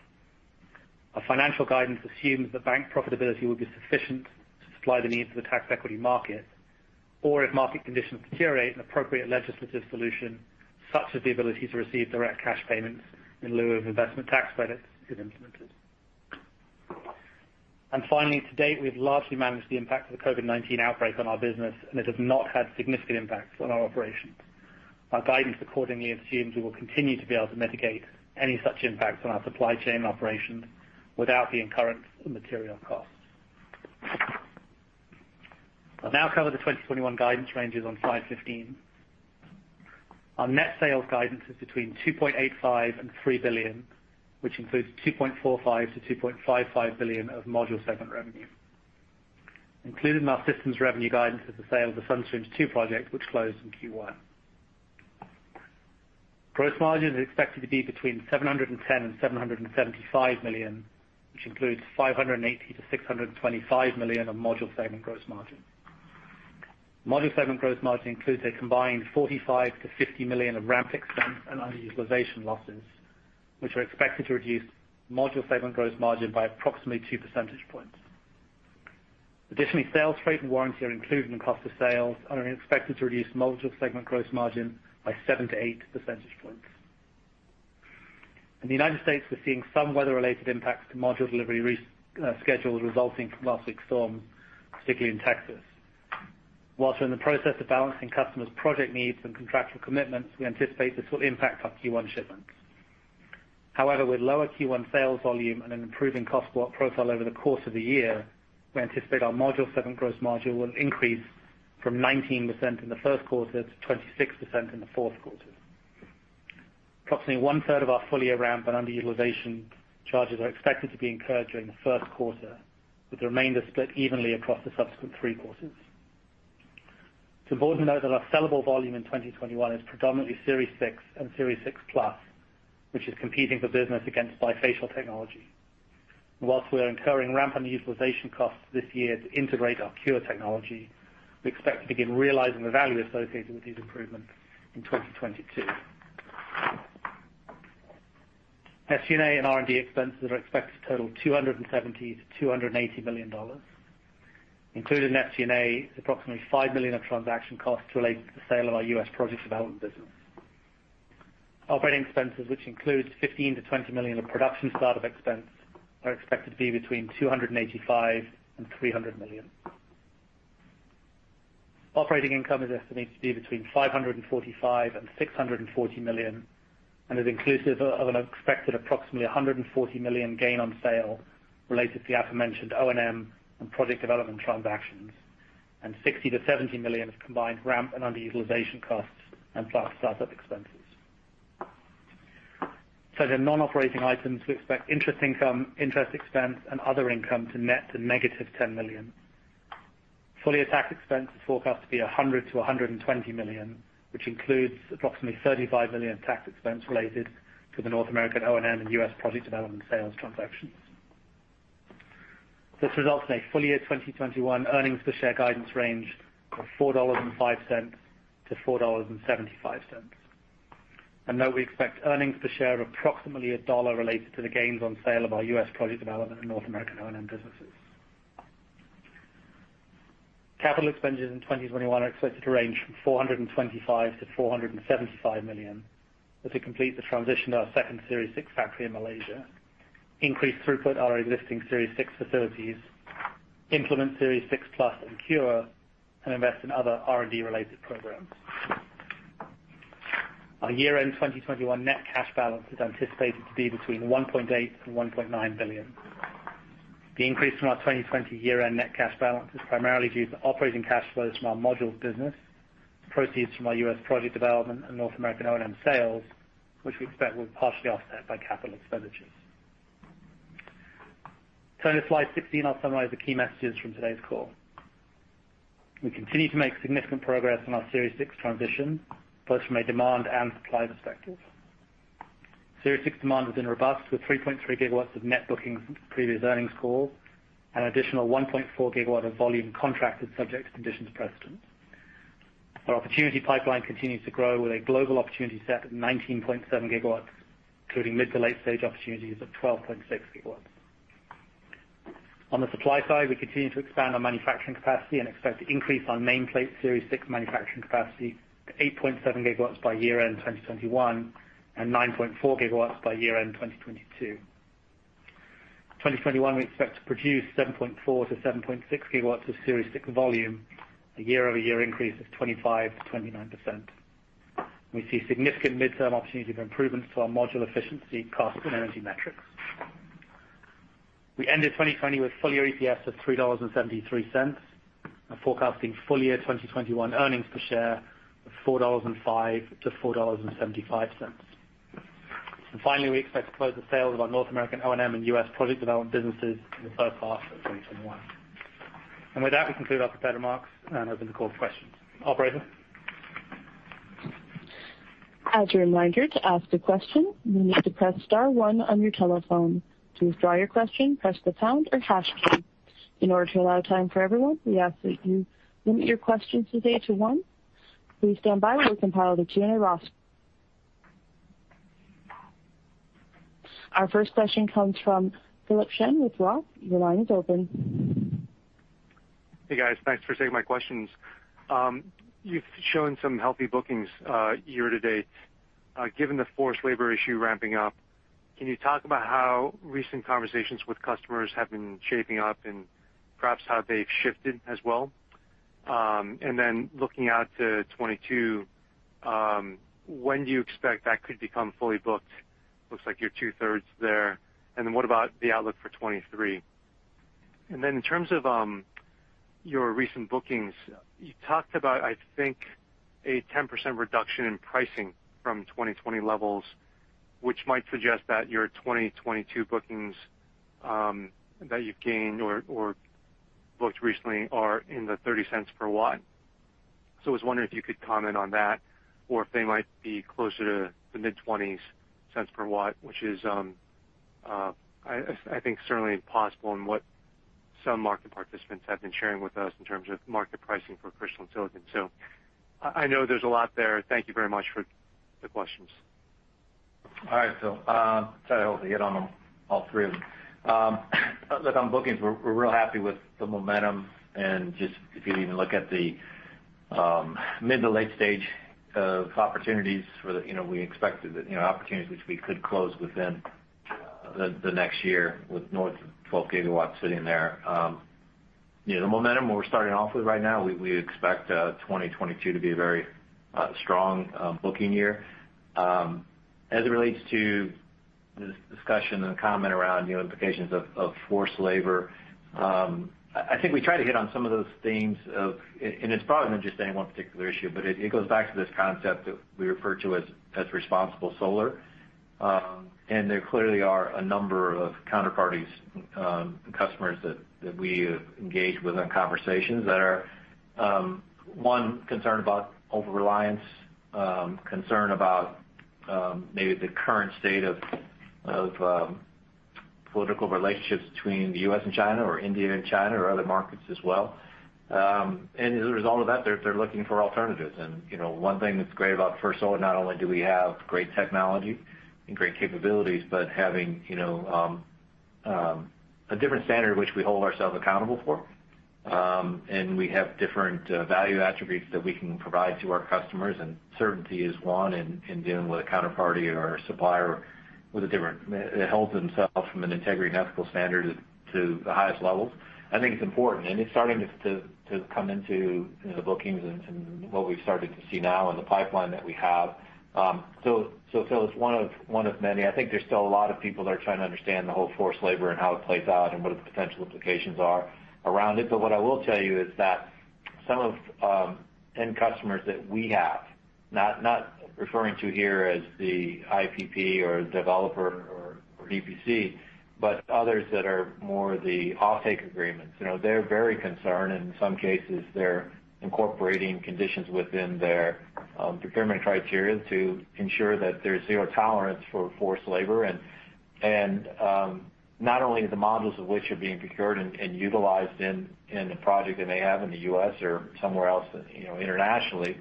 Our financial guidance assumes that bank profitability will be sufficient to supply the needs of the tax equity market, or if market conditions deteriorate, an appropriate legislative solution, such as the ability to receive direct cash payments in lieu of investment tax credits, is implemented. Finally, to date, we've largely managed the impact of the COVID-19 outbreak on our business, and it has not had significant impacts on our operations. Our guidance accordingly assumes we will continue to be able to mitigate any such impacts on our supply chain operations without the incurrence of material costs. I'll now cover the 2021 guidance ranges on slide 15. Our net sales guidance is between $2.85 billion and $3 billion, which includes $2.45 billion-$2.55 billion of module segment revenue. Included in our systems revenue guidance is the sale of the Sun Streams 2 project, which closed in Q1. Gross margin is expected to be between $710 million and $775 million, which includes $580 million-$625 million of module segment gross margin. Module segment gross margin includes a combined $45 million-$50 million of ramp expense and underutilization losses, which are expected to reduce module segment gross margin by approximately two percentage points. Additionally, sales freight and warranty are included in cost of sales and are expected to reduce module segment gross margin by seven to eight percentage points. In the U.S., we're seeing some weather-related impacts to module delivery schedules resulting from last week's storm, particularly in Texas. Whilst we're in the process of balancing customers' project needs and contractual commitments, we anticipate this will impact our Q1 shipments. However, with lower Q1 sales volume and an improving cost profile over the course of the year, we anticipate our module segment gross margin will increase from 19% in the first quarter to 26% in the fourth quarter. Approximately 1/3 of our full-year ramp and underutilization charges are expected to be incurred during the first quarter, with the remainder split evenly across the subsequent three quarters. It's important to note that our sellable volume in 2021 is predominantly Series 6 and Series 6 Plus, which is competing for business against bifacial technology. Whilst we are incurring ramp and utilization costs this year to integrate our CuRe technology, we expect to begin realizing the value associated with these improvements in 2022. SG&A and R&D expenses are expected to total $270 million-$280 million. Included in SG&A is approximately $5 million of transaction costs related to the sale of our U.S. project development business. Operating expenses, which includes $15 million-$20 million of production start-up expense, are expected to be between $285 million and $300 million. Operating income is estimated to be between $545 million and $640 million and is inclusive of an expected approximately $140 million gain on sale related to the aforementioned O&M and project development transactions, and $60 million-$70 million of combined ramp and underutilization costs and platform start-up expenses. Turning to non-operating items, we expect interest income, interest expense and other income to net to -$10 million. Full-year tax expense is forecast to be $100 million-$120 million, which includes approximately $35 million tax expense related to the North American O&M and U.S. project development sales transactions. This results in a full year 2021 earnings per share guidance range of $4.05-$4.75. Note, we expect earnings per share of approximately $1 related to the gains on sale of our U.S. project development and North American O&M businesses. Capital expenditures in 2021 are expected to range from $425 million-$475 million as we complete the transition to our second Series 6 factory in Malaysia, increase throughput at our existing Series 6 facilities, implement Series 6 Plus and CuRe, and invest in other R&D related programs. Our year-end 2021 net cash balance is anticipated to be between $1.8 billion and $1.9 billion. The increase from our 2020 year-end net cash balance is primarily due to operating cash flows from our modules business, proceeds from our U.S. project development and North American O&M sales, which we expect will be partially offset by capital expenditures. Turning to slide 16, I'll summarize the key messages from today's call. We continue to make significant progress on our Series 6 transition, both from a demand and supply perspective. Series 6 demand has been robust with 3.3 GW of net bookings since the previous earnings call and an additional 1.4 GW of volume contracted subject to conditions precedent. Our opportunity pipeline continues to grow with a global opportunity set of 19.7 GW, including mid to late-stage opportunities of 12.6 GW. On the supply side, we continue to expand our manufacturing capacity and expect to increase our nameplate Series 6 manufacturing capacity to 8.7 GW by year-end 2021 and 9.4 GW by year-end 2022. 2021, we expect to produce 7.4 GW-7.6 GW of Series 6 volume, a year-over-year increase of 25%-29%. We see significant midterm opportunity for improvements to our module efficiency, cost, and energy metrics. We ended 2020 with full-year EPS of $3.73. We're forecasting full-year 2021 earnings per share of $4.05-$4.75. Finally, we expect to close the sale of our North American O&M and U.S. project development businesses in the first half of 2021. With that, we conclude our prepared remarks and open the call for questions. Operator? As a reminder, to ask a question, you will need to press star 1 on your telephone. To withdraw your question, press the pound or hash key. In order to allow time for everyone, we ask that you limit your questions today to one. Please stand by while we compile the queue in roster. Our first question comes from Philip Shen with Roth. Your line is open. Hey, guys. Thanks for taking my questions. You've shown some healthy bookings year to date. Given the forced labor issue ramping up, can you talk about how recent conversations with customers have been shaping up and perhaps how they've shifted as well? Looking out to 2022, when do you expect that could become fully booked? Looks like you're two-thirds there. What about the outlook for 2023? In terms of your recent bookings, you talked about, I think, a 10% reduction in pricing from 2020 levels, which might suggest that your 2022 bookings that you've gained or booked recently are in the $0.30 per watt. I was wondering if you could comment on that or if they might be closer to the mid-20s cents per watt, which is I think certainly possible in what some market participants have been sharing with us in terms of market pricing for crystalline silicon. I know there's a lot there. Thank you very much for the questions. All right, Phil. Sorry I had to hit on all three of them. On bookings, we're real happy with the momentum and just if you even look at the. Mid to late stage of opportunities for. We expected opportunities which we could close within the next year with north of 12 GW sitting there. The momentum, what we're starting off with right now, we expect 2022 to be a very strong booking year. As it relates to this discussion and comment around implications of forced labor, I think we try to hit on some of those themes of, it's probably not just any one particular issue, but it goes back to this concept that we refer to as Responsible Solar. There clearly are a number of counterparties, customers that we have engaged with on conversations that are, one, concerned about over-reliance, concerned about maybe the current state of political relationships between the U.S. and China, or India and China, or other markets as well. As a result of that, they're looking for alternatives. One thing that's great about First Solar, not only do we have great technology and great capabilities, but having a different standard which we hold ourselves accountable for. We have different value attributes that we can provide to our customers, and certainty is one in dealing with a counterparty or a supplier that holds themselves from an integrity and ethical standard to the highest levels. I think it's important, and it's starting to come into the bookings and what we've started to see now in the pipeline that we have. Phil, it's one of many. I think there's still a lot of people that are trying to understand the whole forced labor and how it plays out and what the potential implications are around it. What I will tell you is that some of end customers that we have, not referring to here as the IPP or developer or EPC, but others that are more the offtake agreements. They're very concerned, and in some cases, they're incorporating conditions within their procurement criteria to ensure that there's zero tolerance for forced labor. Not only the modules of which are being procured and utilized in the project that they have in the U.S. or somewhere else internationally,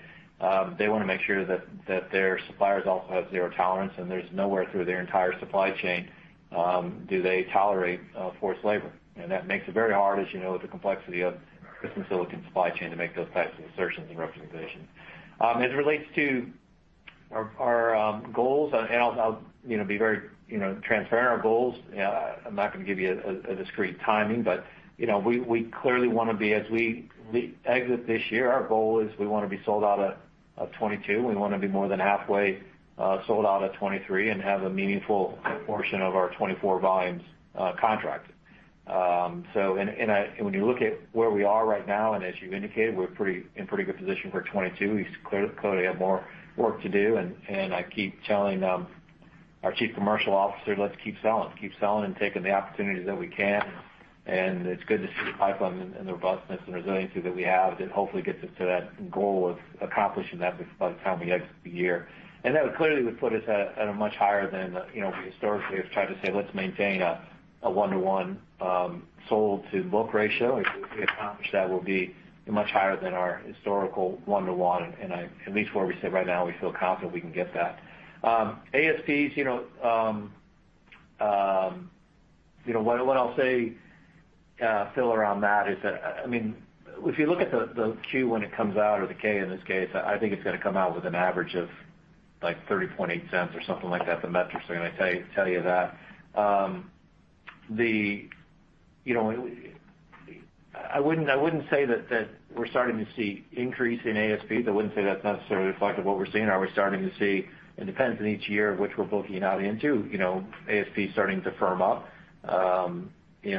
they want to make sure that their suppliers also have zero tolerance and there's nowhere through their entire supply chain, do they tolerate forced labor. That makes it very hard, as you know, with the complexity of the crystalline silicon supply chain to make those types of assertions and representations. As it relates to our goals, I'll be very transparent, our goals, I'm not going to give you a discrete timing, but we clearly want to be, as we exit this year, our goal is we want to be sold out of 2022. We want to be more than halfway sold out of 2023 and have a meaningful portion of our 2024 volumes contracted. When you look at where we are right now, as you indicated, we're in pretty good position for 2022. We clearly have more work to do, I keep telling our Chief Commercial Officer, let's keep selling. Keep selling and taking the opportunities that we can, it's good to see the pipeline and the robustness and resiliency that we have that hopefully gets us to that goal of accomplishing that by the time we exit the year. That would clearly would put us at a much higher than, we historically have tried to say, let's maintain a 1:1 sold to book ratio. If we accomplish that, we'll be much higher than our historical 1:1, and at least where we sit right now, we feel confident we can get that. ASPs, what I'll say, Phil, around that is that, if you look at the Q when it comes out, or the K in this case, I think it's going to come out with an average of $0.308 or something like that. The metrics are going to tell you that. I wouldn't say that we're starting to see increase in ASPs. I wouldn't say that's necessarily reflective of what we're seeing. Are we starting to see, it depends on each year, which we're booking out into, ASP starting to firm up. Maybe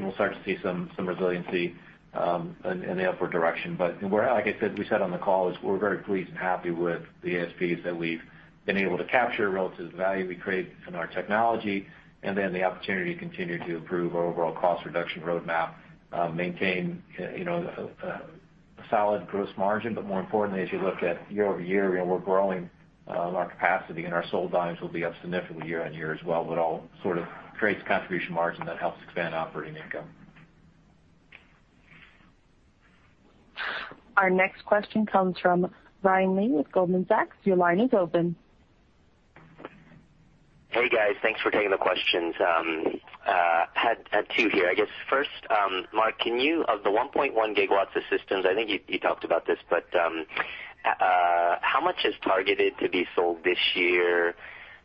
we'll start to see some resiliency in the upward direction. Like I said, we said on the call is we're very pleased and happy with the ASPs that we've been able to capture relative to the value we create from our technology. The opportunity to continue to improve our overall cost reduction roadmap, maintain a solid gross margin, but more importantly, as you look at year-over-year, we're growing our capacity, and our sold volumes will be up significantly year-on-year as well with all sort of creates contribution margin that helps expand operating income. Our next question comes from Brian Lee with Goldman Sachs. Your line is open. Hey, guys. Thanks for taking the questions. Had two here. First, Mark, can you, of the 1.1 GW of systems, I think you talked about this, but how much is targeted to be sold this year,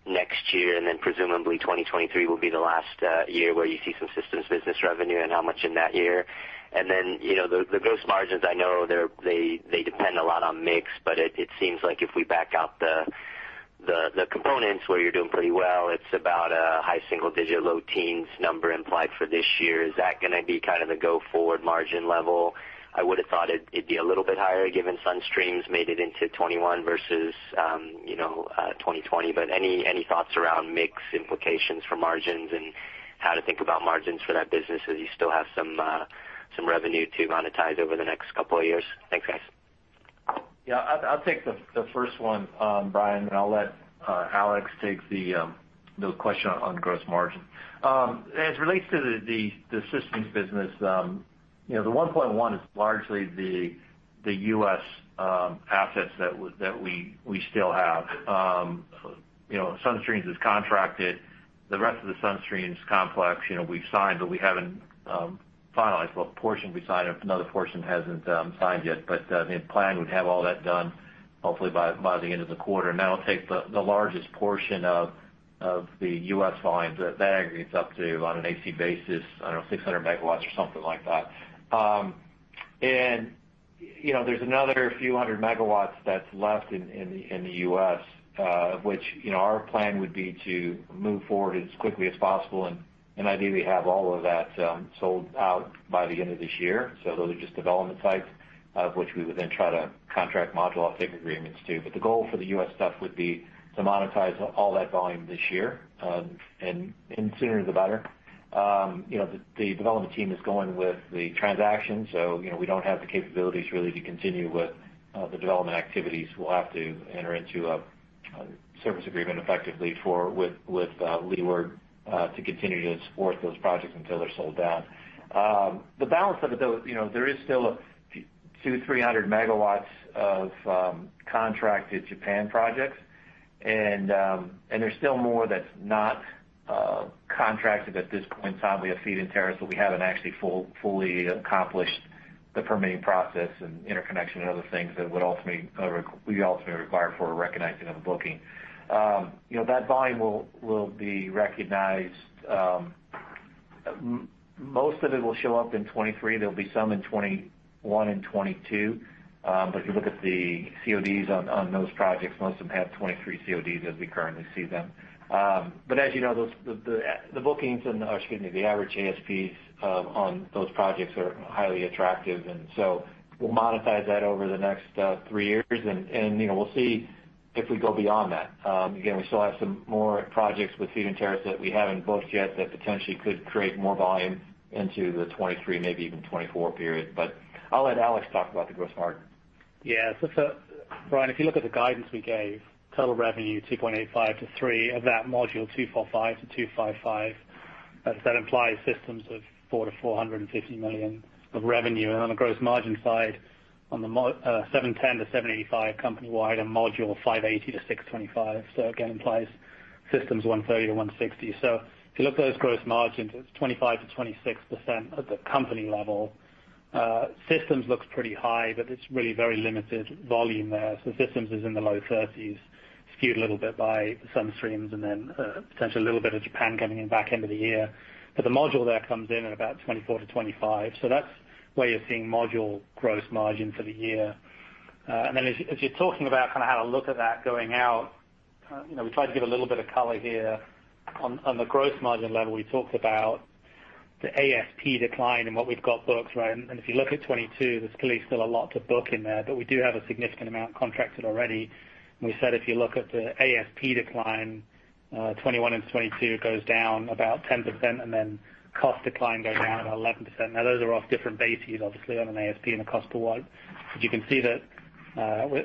next year, and then presumably 2023 will be the last year where you see some systems business revenue, and how much in that year? The gross margins, I know they depend a lot on mix, but it seems like if we back out the components where you're doing pretty well, it's about a high single-digit, low teens number implied for this year. Is that going to be kind of the go-forward margin level? I would've thought it'd be a little bit higher given Sun Streams made it into 2021 versus 2020. Any thoughts around mix implications for margins and how to think about margins for that business as you still have some revenue to monetize over the next couple of years? Thanks, guys. Yeah. I'll take the first one, Brian, and I'll let Alex take the question on gross margin. As it relates to the systems business, the 1.1 is largely the U.S. assets that we still have. Sun Streams is contracted. The rest of the Sun Streams complex, we've signed, we haven't finalized. Well, a portion will be signed, another portion hasn't signed yet, the plan would have all that done hopefully by the end of the quarter. That'll take the largest portion of the U.S. volumes. That aggregates up to, on an AC basis, I don't know, 600 MW or something like that. There's another few hundred megawatts that's left in the U.S., which our plan would be to move forward as quickly as possible and ideally have all of that sold out by the end of this year. Those are just development sites of which we would then try to contract module off-take agreements too. The goal for the U.S. stuff would be to monetize all that volume this year, and sooner the better. The development team is going with the transaction, we don't have the capabilities really to continue with the development activities. We'll have to enter into a service agreement effectively with Leeward to continue to support those projects until they're sold down. The balance of it though, there is still a few, 200 MW, 300 MW of contracted Japan projects, and there's still more that's not contracted at this point in time. We have feed-in tariffs, we haven't actually fully accomplished the permitting process and interconnection and other things that would be ultimately required for a recognition of a booking. That volume will be recognized. Most of it will show up in 2023. There'll be some in 2021 and 2022. If you look at the CODs on those projects, most of them have 2023 CODs as we currently see them. As you know, the average ASPs on those projects are highly attractive. So we'll monetize that over the next three years, and we'll see if we go beyond that. Again, we still have some more projects with feed-in tariffs that we haven't booked yet that potentially could create more volume into the 2023, maybe even 2024 period. I'll let Alex talk about the gross margin. Brian, if you look at the guidance we gave, total revenue $2.85 billion-$3 billion, of that module $245 million-$255 million, that implies systems of $400 million-$450 million of revenue. On the gross margin side, on the $710 million-$785 million company-wide and module $580 million-$625 million. Again, implies systems $130 million-$160 million. If you look at those gross margins, it's 25%-26% at the company level. Systems looks pretty high, it's really very limited volume there. Systems is in the low 30s, skewed a little bit by Sun Streams, potentially a little bit of Japan coming in back end of the year. The module there comes in at about 24%-25%. That's where you're seeing module gross margin for the year. Then as you're talking about kind of how to look at that going out, we tried to give a little bit of color here on the gross margin level. We talked about the ASP decline and what we've got booked, right? If you look at 2022, there's still a lot to book in there, but we do have a significant amount contracted already. We said if you look at the ASP decline, 2021 into 2022 goes down about 10%, then cost decline goes down about 11%. Now those are off different bases, obviously on an ASP and a cost of watt. You can see that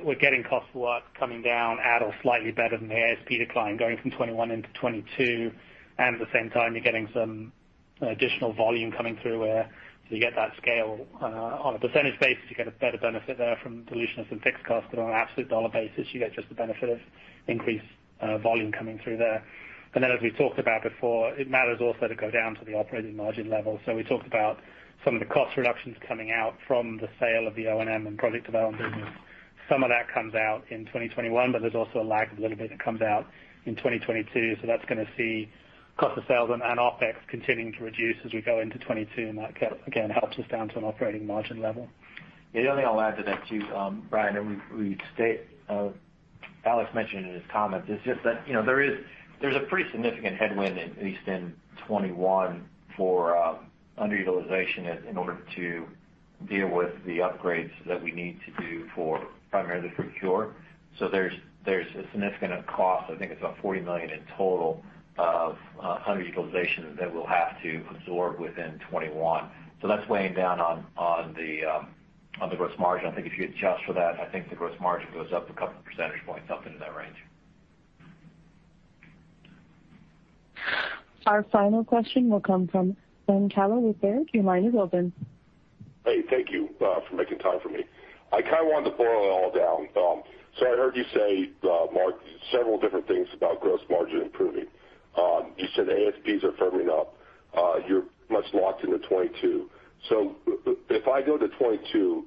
we're getting cost of watt coming down at or slightly better than the ASP decline going from 2021 into 2022. At the same time, you're getting some additional volume coming through there. You get that scale on a percentage basis, you get a better benefit there from dilution of some fixed costs. On an absolute dollar basis, you get just the benefit of increased volume coming through there. As we talked about before, it matters also to go down to the operating margin level. We talked about some of the cost reductions coming out from the sale of the O&M and project development business. Some of that comes out in 2021, but there's also a lag of a little bit that comes out in 2022. That's going to see cost of sales and OpEx continuing to reduce as we go into 2022. That again, helps us down to an operating margin level. The only thing I'll add to that too, Brian, Alex mentioned it in his comments, is just that there's a pretty significant headwind, at least in 2021 for underutilization in order to deal with the upgrades that we need to do primarily for CuRe. There's a significant cost. I think it's about $40 million in total of underutilization that we'll have to absorb within 2021. That's weighing down on the gross margin. I think if you adjust for that, I think the gross margin goes up a couple percentage points, something in that range. Our final question will come from Ben Kallo with Baird. Your line is open. Hey, thank you for making time for me. I kind of wanted to boil it all down. I heard you say, Mark, several different things about gross margin improving. You said ASPs are firming up. You're much locked into 2022. If I go to 2022,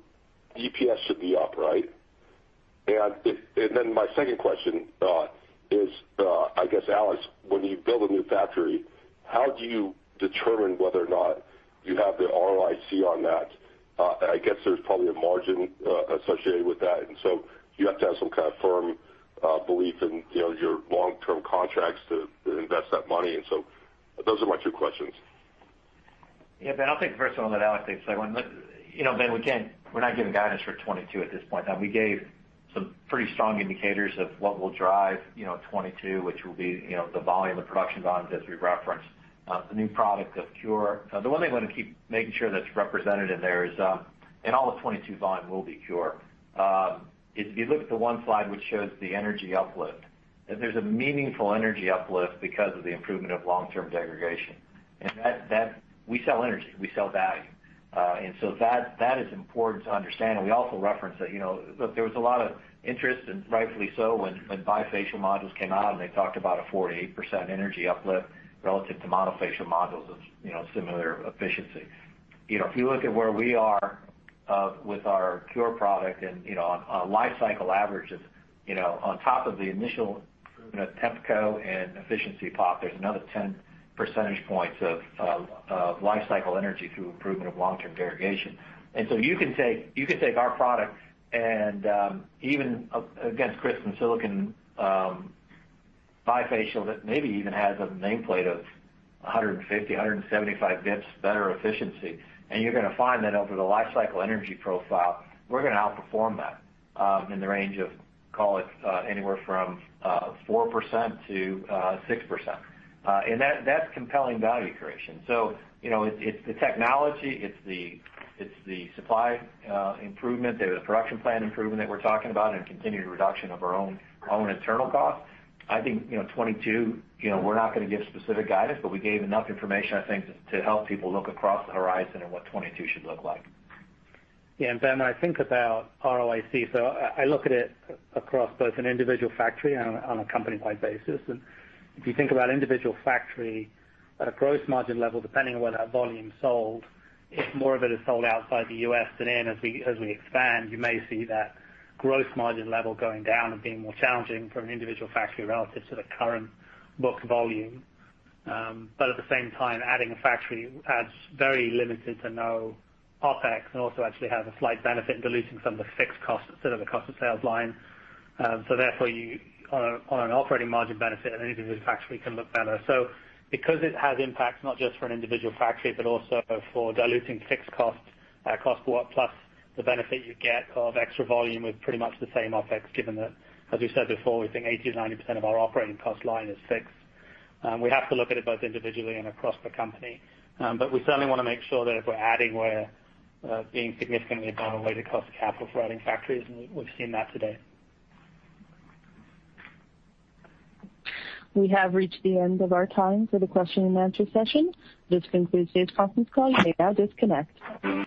EPS should be up, right? Then my second question is, I guess Alex, when you build a new factory, how do you determine whether or not you have the ROIC on that? I guess there's probably a margin associated with that, and so you have to have some kind of firm belief in your long-term contracts to invest that money. Those are my two questions. Yeah, Ben, I'll take the first one, and then Alex take the second one. Ben, again, we're not giving guidance for 2022 at this point. We gave some pretty strong indicators of what will drive 2022, which will be the volume, the production volumes as we referenced, the new product of CuRe. The one thing I want to keep making sure that's represented in there is, all of 2022 volume will be CuRe. If you look at the one slide which shows the energy uplift, there's a meaningful energy uplift because of the improvement of long-term degradation. We sell energy, we sell value. That is important to understand. We also referenced that there was a lot of interest, and rightfully so, when bifacial modules came out and they talked about a 48% energy uplift relative to monofacial modules of similar efficiency. If you look at where we are with our CuRe product and on life cycle averages, on top of the initial TempCo and efficiency pop, there's another 10 percentage points of life cycle energy through improvement of long-term degradation. You can take our product and even against crystalline silicon bifacial that maybe even has a nameplate of 150, 175 basis points better efficiency, you're going to find that over the life cycle energy profile, we're going to outperform that in the range of, call it anywhere from 4% to 6%. That's compelling value creation. It's the technology, it's the supply improvement, the production plan improvement that we're talking about, and continued reduction of our own internal costs. I think 2022, we're not going to give specific guidance, but we gave enough information, I think, to help people look across the horizon at what 2022 should look like. Yeah. Ben, when I think about ROIC, I look at it across both an individual factory on a company-wide basis. If you think about individual factory at a gross margin level, depending on where that volume is sold, if more of it is sold outside the U.S. than in as we expand, you may see that gross margin level going down and being more challenging from an individual factory relative to the current book volume. At the same time, adding a factory adds very limited to no OpEx, and also actually has a slight benefit in diluting some of the fixed costs instead of the cost of sales line. Therefore, on an operating margin benefit, an individual factory can look better. Because it has impacts, not just for an individual factory, but also for diluting fixed costs plus the benefit you get of extra volume with pretty much the same OpEx, given that, as we said before, we think 80%-90% of our operating cost line is fixed. We have to look at it both individually and across the company. We certainly want to make sure that if we're adding, we're being significantly dilutive to cost of capital for adding factories, and we've seen that today. We have reached the end of our time for the question and answer session. This concludes today's conference call. You may now disconnect.